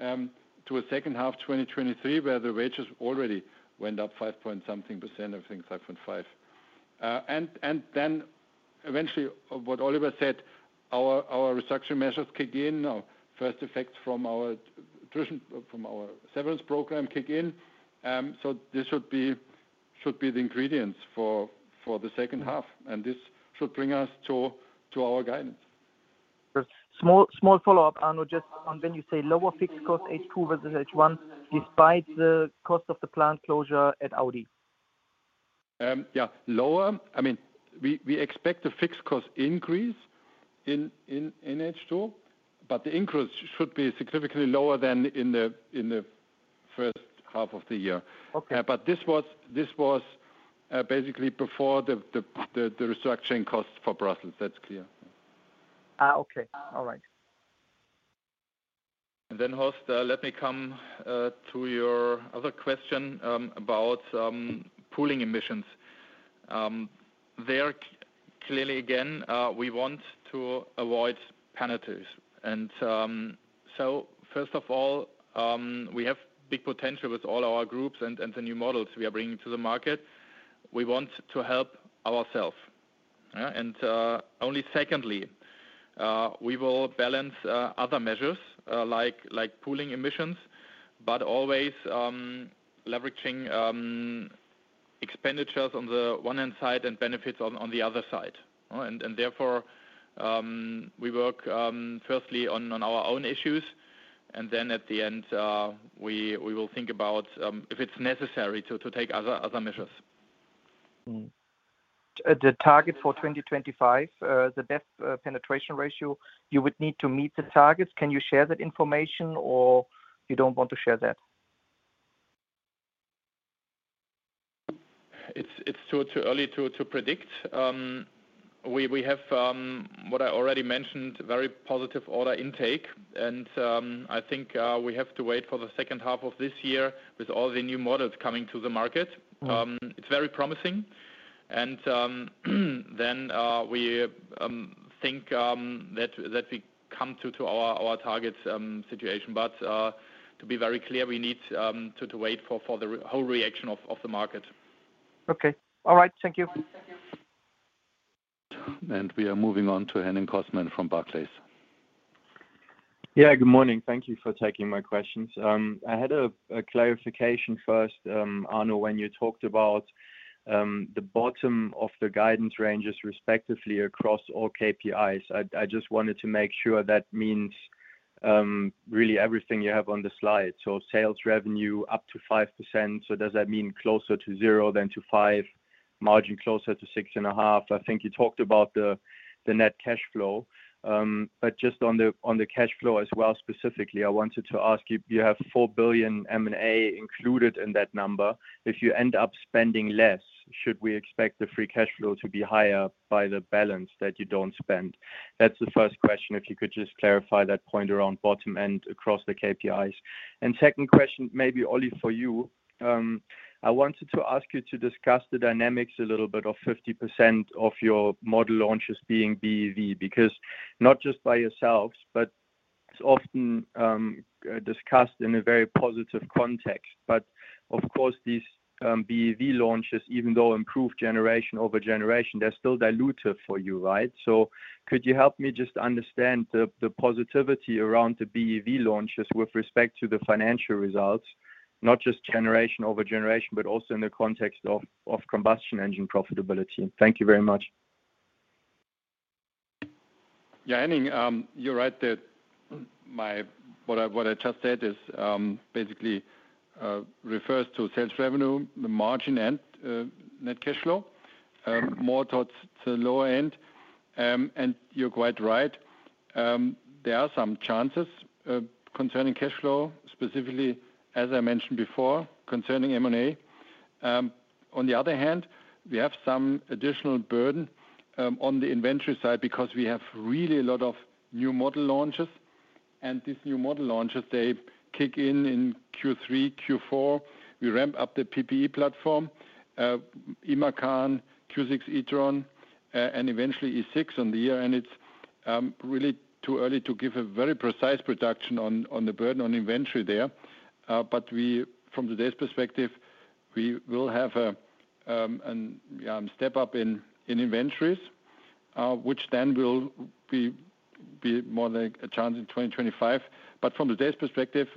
to a second half 2023 where the wages already went up 5.something%, I think 5.5%. And then eventually, what Oliver said, our restructuring measures kick in. First effects from our severance program kick in. So this should be the ingredients for the second half, and this should bring us to our guidance. Small follow-up, Arno, just on when you say lower fixed cost H2 versus H1 despite the cost of the plant closure at Audi. Yeah, lower. I mean, we expect the fixed cost increase in H2, but the increase should be significantly lower than in the first half of the year. But this was basically before the restructuring cost for Brussels. That's clear. Okay. All right. And then, Horst, let me come to your other question about pooling emissions. Clearly, again, we want to avoid penalties. And so first of all, we have big potential with all our groups and the new models we are bringing to the market. We want to help ourselves. And only secondly, we will balance other measures like pooling emissions, but always leveraging expenditures on the one hand side and benefits on the other side. And therefore, we work firstly on our own issues, and then at the end, we will think about if it's necessary to take other measures. The target for 2025, the best penetration ratio, you would need to meet the targets. Can you share that information, or you don't want to share that? It's too early to predict. We have, what I already mentioned, very positive order intake, and I think we have to wait for the second half of this year with all the new models coming to the market. It's very promising. And then we think that we come to our targets situation. But to be very clear, we need to wait for the whole reaction of the market. Okay. All right. Thank you. Thank you. And we are moving on to Henning Cosman from Barclays. Yeah, good morning. Thank you for taking my questions. I had a clarification first, Arno, when you talked about the bottom of the guidance ranges respectively across all KPIs. I just wanted to make sure that means really everything you have on the slide. So sales revenue up to 5%. So does that mean closer to zero than to five? Margin closer to six and a half? I think you talked about the net cash flow. But just on the cash flow as well specifically, I wanted to ask you, you have 4 billion M&A included in that number. If you end up spending less, should we expect the free cash flow to be higher by the balance that you don't spend? That's the first question. If you could just clarify that point around bottom end across the KPIs. And second question, maybe Oli for you. I wanted to ask you to discuss the dynamics a little bit of 50% of your model launches being BEV because not just by yourselves, but it's often discussed in a very positive context. But of course, these BEV launches, even though improved generation over generation, they're still dilutive for you, right? So could you help me just understand the positivity around the BEV launches with respect to the financial results, not just generation over generation, but also in the context of combustion engine profitability? Thank you very much. Yeah, Henning, you're right that what I just said basically refers to sales revenue, the margin and net cash flow, more towards the lower end. You're quite right. There are some chances concerning cash flow, specifically, as I mentioned before, concerning M&A. On the other hand, we have some additional burden on the inventory side because we have really a lot of new model launches. And these new model launches, they kick in in Q3, Q4. We ramp up the PPE platform, Macan, Q6 e-tron, and eventually A6 e-tron on the year. And it's really too early to give a very precise production on the burden on inventory there. From today's perspective, we will have a step-up in inventories, which then will be more like a chance in 2025. From today's perspective,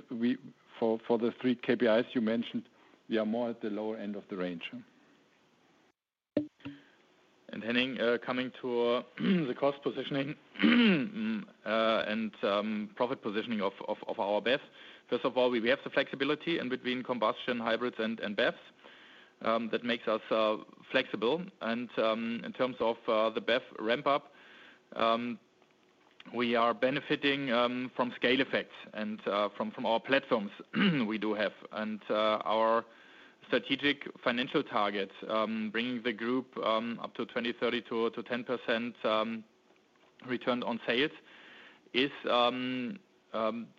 for the three KPIs you mentioned, we are more at the lower end of the range. Henning, coming to the cost positioning and profit positioning of our BEVs, first of all, we have the flexibility in between combustion, hybrids, and BEVs. That makes us flexible. In terms of the BEV ramp-up, we are benefiting from scale effects and from our platforms we do have. Our strategic financial targets, bringing the group up to 2030 to 10% return on sales, is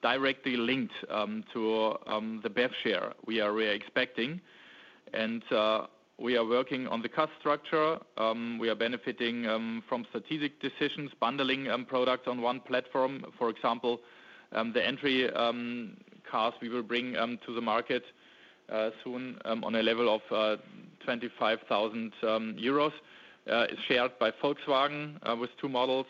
directly linked to the BEV share we are really expecting. We are working on the cost structure. We are benefiting from strategic decisions, bundling products on one platform. For example, the entry cars we will bring to the market soon on a level of 25,000 euros is shared by Volkswagen with two models,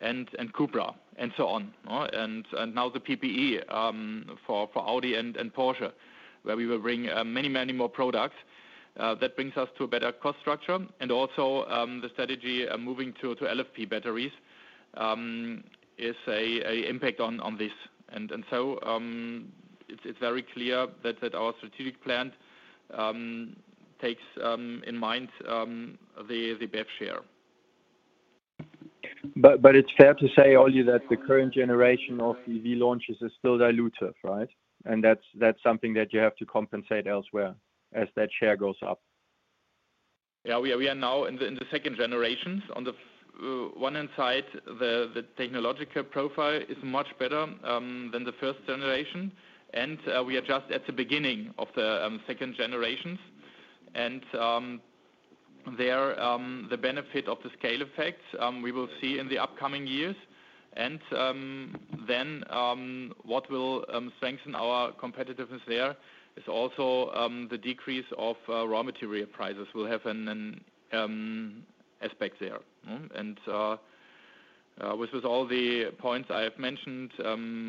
Škoda and CUPRA, and so on. Now the PPE for Audi and Porsche, where we will bring many, many more products. That brings us to a better cost structure. Also the strategy moving to LFP batteries is an impact on this. So it's very clear that our strategic plan takes in mind the BEV share. But it's fair to say, Oli, that the current generation of EV launches is still dilutive, right? And that's something that you have to compensate elsewhere as that share goes up. Yeah, we are now in the second generations. On the one hand side, the technological profile is much better than the first generation. And we are just at the beginning of the second generations. And there, the benefit of the scale effects we will see in the upcoming years. And then what will strengthen our competitiveness there is also the decrease of raw material prices will have an aspect there. And with all the points I have mentioned,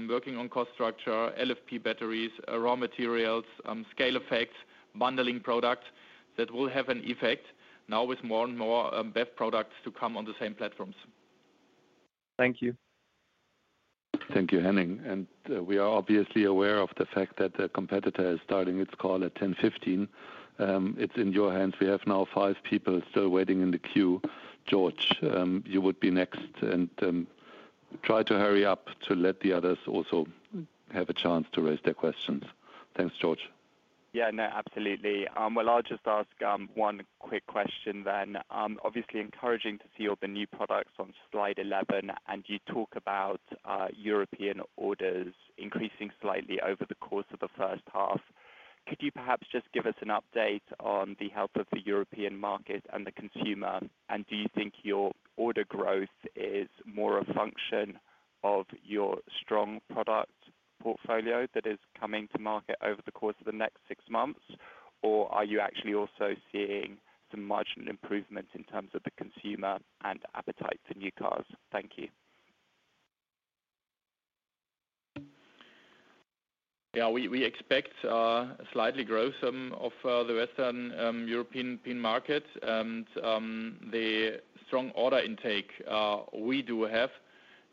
working on cost structure, LFP batteries, raw materials, scale effects, bundling products, that will have an effect now with more and more BEV products to come on the same platforms. Thank you. Thank you, Henning. And we are obviously aware of the fact that the competitor is starting its call at 10:15 A.M. It's in your hands. We have now five people still waiting in the queue. George, you would be next. And try to hurry up to let the others also have a chance to raise their questions. Thanks, George. Yeah, no, absolutely. Well, I'll just ask one quick question then. Obviously, encouraging to see all the new products on slide 11, and you talk about European orders increasing slightly over the course of the first half. Could you perhaps just give us an update on the health of the European market and the consumer? And do you think your order growth is more a function of your strong product portfolio that is coming to market over the course of the next six months, or are you actually also seeing some marginal improvements in terms of the consumer and appetite for new cars? Thank you. Yeah, we expect a slight growth of the Western European market. And the strong order intake we do have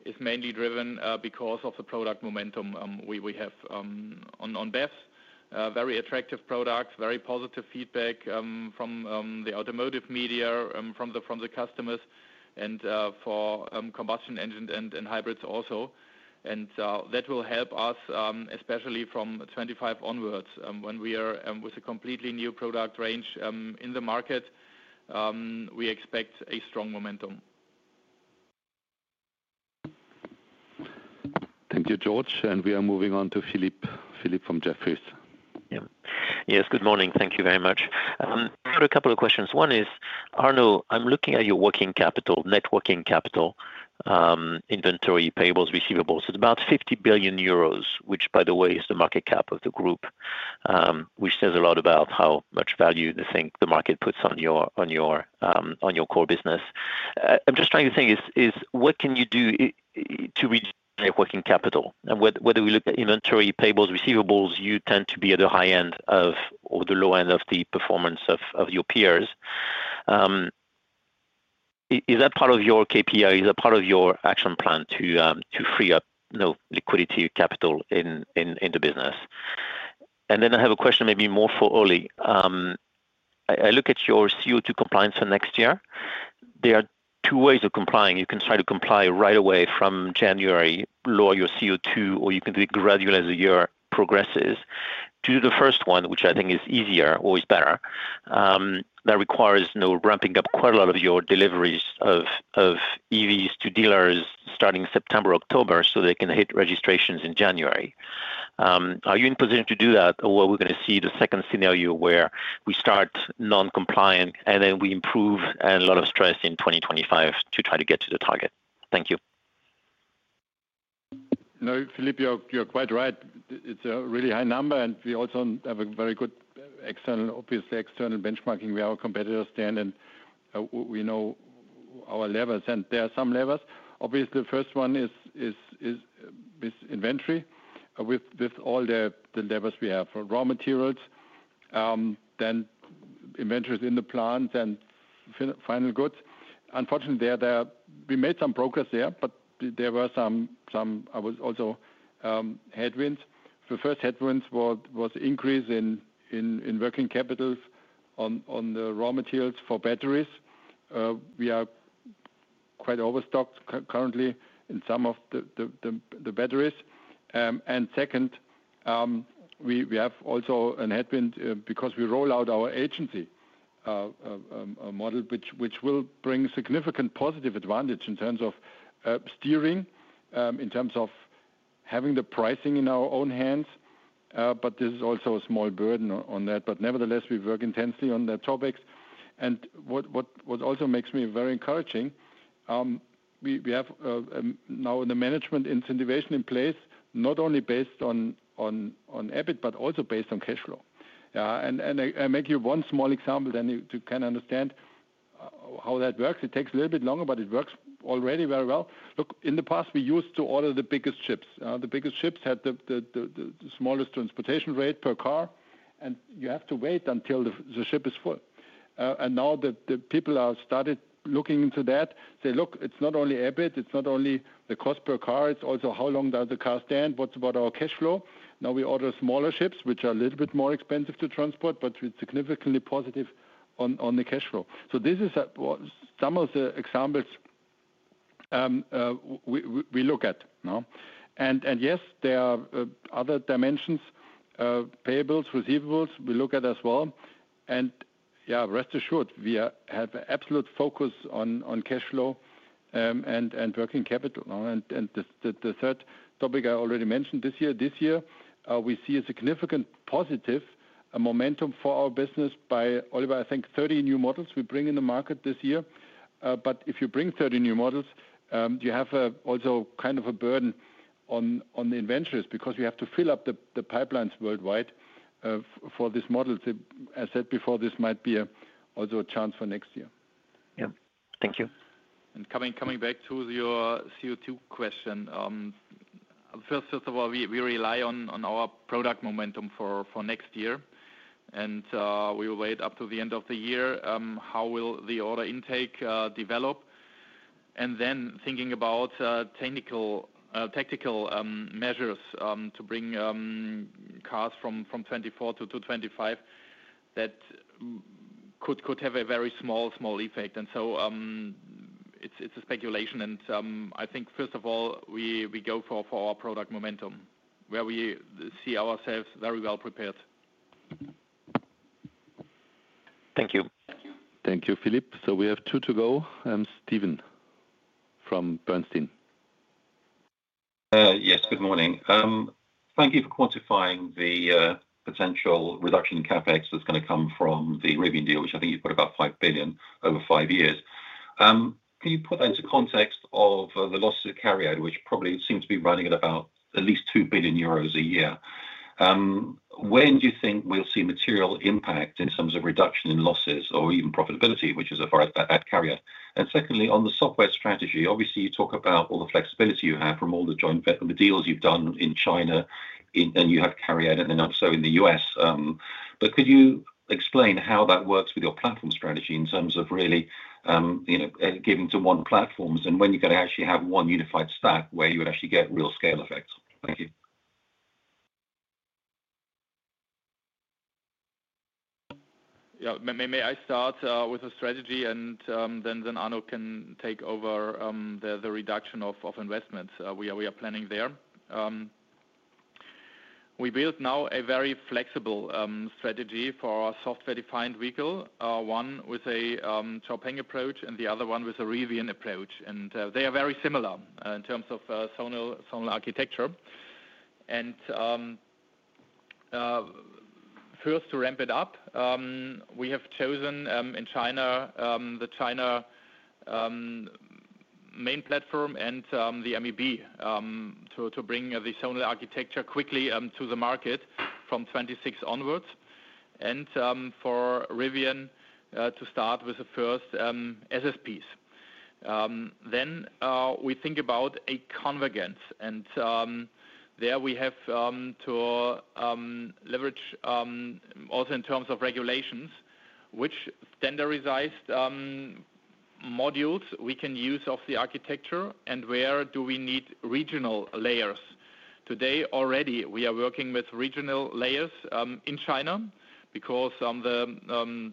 is mainly driven because of the product momentum we have on BEVs. Very attractive products, very positive feedback from the automotive media, from the customers, and for combustion engines and hybrids also. That will help us, especially from 2025 onwards, when we are with a completely new product range in the market. We expect a strong momentum. Thank you, George. We are moving on to Philippe from Jefferies. Yes, good morning. Thank you very much. I've got a couple of questions. One is, Arno, I'm looking at your working capital, net working capital, inventory, payables, receivables. It's about 50 billion euros, which, by the way, is the market cap of the group, which says a lot about how much value you think the market puts on your core business. I'm just trying to think, what can you do to reduce net working capital? And whether we look at inventory, payables, receivables, you tend to be at the high end of or the low end of the performance of your peers. Is that part of your KPI? Is that part of your action plan to free up liquidity capital in the business? And then I have a question maybe more for Oli. I look at your CO2 compliance for next year. There are two ways of complying. You can try to comply right away from January, lower your CO2, or you can do it gradually as the year progresses. Do the first one, which I think is easier or is better. That requires ramping up quite a lot of your deliveries of EVs to dealers starting September, October, so they can hit registrations in January. Are you in position to do that, or are we going to see the second scenario where we start non-compliant and then we improve and a lot of stress in 2025 to try to get to the target? Thank you. No, Philippe, you're quite right. It's a really high number, and we also have a very good, obviously, external benchmarking. We have a competitor stand, and we know our levels, and there are some levels. Obviously, the first one is inventory with all the levels we have for raw materials, then inventories in the plants and final goods. Unfortunately, we made some progress there, but there were some, I would also say, headwinds. The first headwind was increase in working capital on the raw materials for batteries. We are quite overstocked currently in some of the batteries. And second, we have also a headwind because we roll out our agency model, which will bring significant positive advantage in terms of steering, in terms of having the pricing in our own hands. But this is also a small burden on that. But nevertheless, we work intensely on the topics. What also makes me very encouraging, we have now the management incentivization in place, not only based on EBIT, but also based on cash flow. I'll make you one small example, then you can understand how that works. It takes a little bit longer, but it works already very well. Look, in the past, we used to order the biggest ships. The biggest ships had the smallest transportation rate per car, and you have to wait until the ship is full. Now the people have started looking into that. They say, "Look, it's not only EBIT, it's not only the cost per car, it's also how long does the car stand, what's about our cash flow." Now we order smaller ships, which are a little bit more expensive to transport, but significantly positive on the cash flow. So this is some of the examples we look at. Yes, there are other dimensions, payables, receivables we look at as well. Yeah, rest assured, we have absolute focus on cash flow and working capital. The third topic I already mentioned this year, this year, we see a significant positive momentum for our business by, Oliver, I think 30 new models we bring in the market this year. But if you bring 30 new models, you have also kind of a burden on the inventories because we have to fill up the pipelines worldwide for these models. As I said before, this might be also a chance for next year. Yeah, thank you. Coming back to your CO2 question, first of all, we rely on our product momentum for next year. We will wait up to the end of the year. How will the order intake develop? Then thinking about tactical measures to bring cars from 2024 to 2025, that could have a very small, small effect. So it's a speculation. I think, first of all, we go for our product momentum, where we see ourselves very well prepared. Thank you. Thank you, Philippe. We have two to go. Stephen from Bernstein. Yes, good morning. Thank you for quantifying the potential reduction in CapEx that's going to come from the Rivian deal, which I think you've put about 5 billion over five years. Can you put that into context of the losses of CARIAD, which probably seems to be running at about at least 2 billion euros a year? When do you think we'll see material impact in terms of reduction in losses or even profitability, which is CARIAD? And secondly, on the software strategy, obviously, you talk about all the flexibility you have from all the joint deals you've done in China, and you have carried out, and then also in the US. But could you explain how that works with your platform strategy in terms of really giving to one platforms and when you're going to actually have one unified stack where you would actually get real scale effects? Thank you. Yeah, may I start with the strategy, and then Arno can take over the reduction of investments we are planning there? We built now a very flexible strategy for our software-defined vehicle, one with an XPENG approach and the other one with a Rivian approach. And they are very similar in terms of zonal architecture. First, to ramp it up, we have chosen in China the China Main Platform and the MEB to bring the zonal architecture quickly to the market from 2026 onwards. For Rivian to start with the first SSPs. Then we think about a convergence. There we have to leverage also in terms of regulations, which standardized modules we can use of the architecture, and where do we need regional layers? Today, already, we are working with regional layers in China because the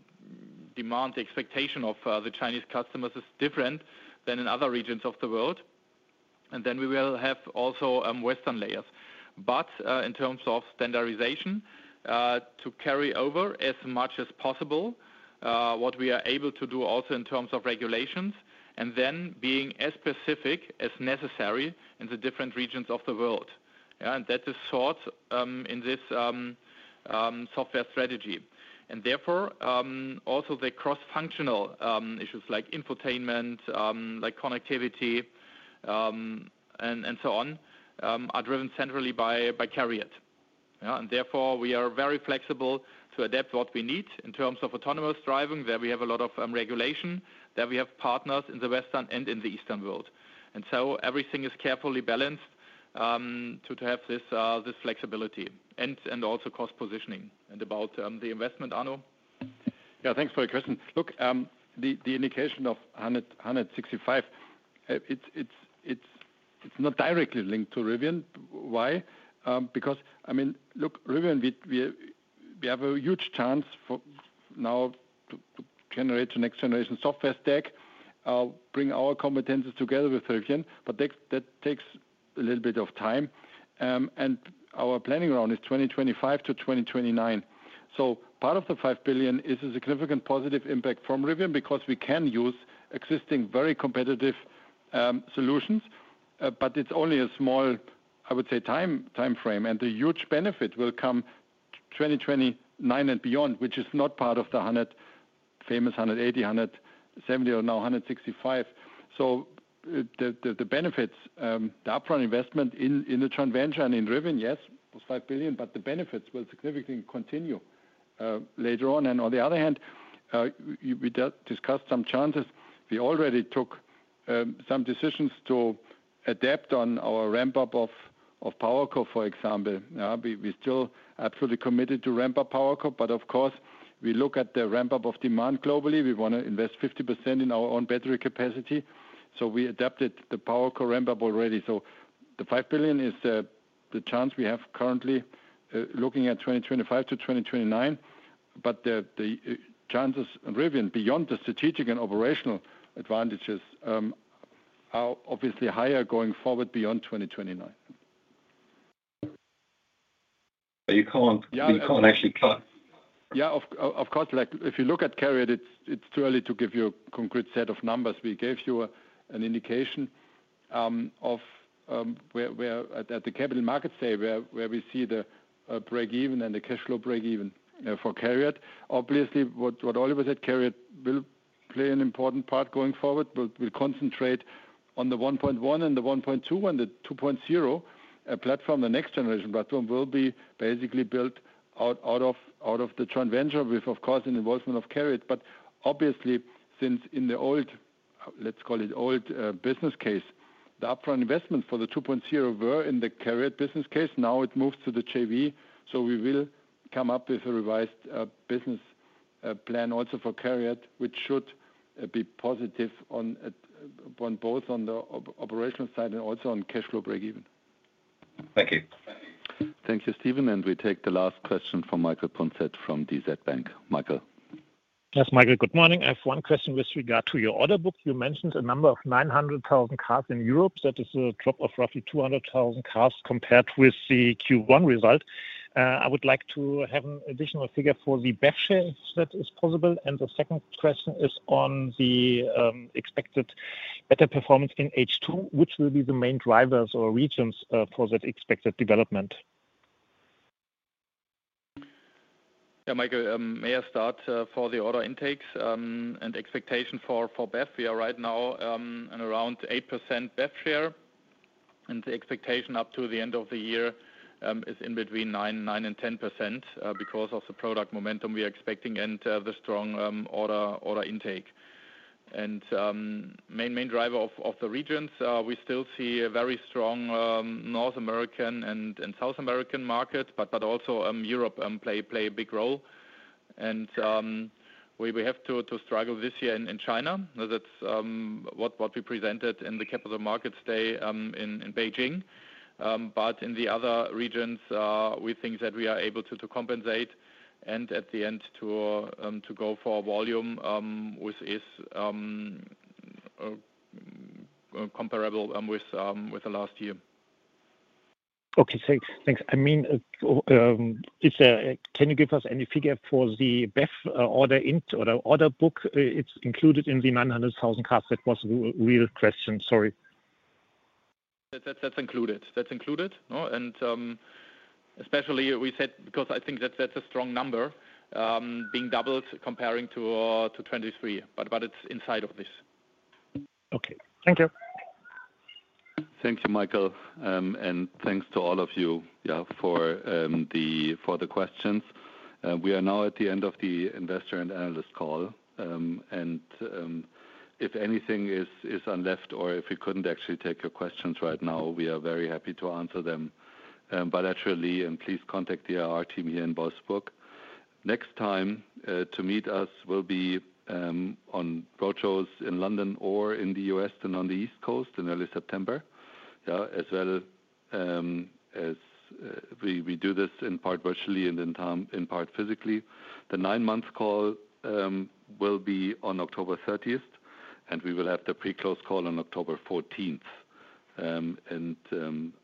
demand expectation of the Chinese customers is different than in other regions of the world. Then we will have also Western layers. But in terms of standardization, to carry over as much as possible what we are able to do also in terms of regulations, and then being as specific as necessary in the different regions of the world. And that is sought in this software strategy. And therefore, also the cross-functional issues like infotainment, like connectivity, and so on, are driven centrally by CARIAD. And therefore, we are very flexible to adapt what we need in terms of autonomous driving. There we have a lot of regulation. There we have partners in the Western and in the Eastern world. And so everything is carefully balanced to have this flexibility and also cost positioning. And about the investment, Arno? Yeah, thanks for the question. Look, the indication of 165, it's not directly linked to Rivian. Why? Because, I mean, look, Rivian, we have a huge chance now to generate the next generation software stack, bring our competencies together with Rivian, but that takes a little bit of time. And our Planning Round is 2025 to 2029. Part of the 5 billion is a significant positive impact from Rivian because we can use existing very competitive solutions, but it's only a small, I would say, time frame. The huge benefit will come 2029 and beyond, which is not part of the famous 180, 170, or now 165. The benefits, the upfront investment in the joint venture and in Rivian, yes, was 5 billion, but the benefits will significantly continue later on. On the other hand, we discussed some chances. We already took some decisions to adapt on our ramp-up of PowerCo, for example. We're still absolutely committed to ramp-up PowerCo, but of course, we look at the ramp-up of demand globally. We want to invest 50% in our own battery capacity. We adapted the PowerCo ramp-up already. The 5 billion is the chance we have currently looking at 2025-2029. But the chances of Rivian, beyond the strategic and operational advantages, are obviously higher going forward beyond 2029. You can't actually cut. Yeah, of course. If you look at CARIAD, it's too early to give you a concrete set of numbers. We gave you an indication of where at the Capital Markets Day, where we see the break-even and the cash flow break-even for CARIAD. Obviously, what Oliver said, CARIAD will play an important part going forward. We'll concentrate on the 1.1 and the 1.2 and the 2.0 platform. The next generation platform will be basically built out of the joint venture with, of course, an involvement of CARIAD. But obviously, since in the old, let's call it old business case, the upfront investments for the 2.0 were in the CARIAD business case. Now it moves to the JV. So we will come up with a revised business plan also for CARIAD, which should be positive on both on the operational side and also on cash flow break-even. Thank you. Thank you, Stephen. And we take the last question from Michael Punzet from DZ BANK. Michael. Yes, Michael, good morning. I have one question with regard to your order book. You mentioned a number of 900,000 cars in Europe. That is a drop of roughly 200,000 cars compared with the Q1 result. I would like to have an additional figure for the BEV if that is possible. And the second question is on the expected better performance in H2, which will be the main drivers or regions for that expected development. Yeah, Michael, may I start for the order intakes and expectation for BEV? We are right now at around 8% BEV share. The expectation up to the end of the year is in between 9%-10% because of the product momentum we are expecting and the strong order intake. Main driver of the regions, we still see a very strong North American and South American market, but also Europe play a big role. And we have to struggle this year in China. That's what we presented in the Capital Markets Day in Beijing. But in the other regions, we think that we are able to compensate and at the end to go for volume which is comparable with the last year. Okay, thanks. I mean, can you give us any figure for the BEV order intake or the order book? It's included in the 900,000 cars. That was the real question. Sorry. That's included. That's included. And especially we said because I think that's a strong number being doubled comparing to 2023, but it's inside of this. Okay, thank you. Thank you, Michael. Thanks to all of you for the questions. We are now at the end of the investor and analyst call. If anything is left, or if we couldn't actually take your questions right now, we are very happy to answer them bilaterally. Please contact the IR team here in Wolfsburg. Next time to meet us will be on roadshows in London or in the U.S. and on the East Coast in early September. As well as we do this in part virtually and in part physically. The nine-month call will be on October 30th, and we will have the pre-close call on October 14th.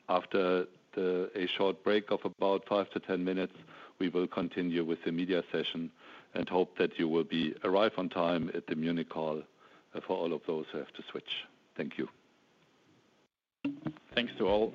After a short break of about 5-10 minutes, we will continue with the media session and hope that you will arrive on time at the Munich call for all of those who have to switch. Thank you. Thanks to all.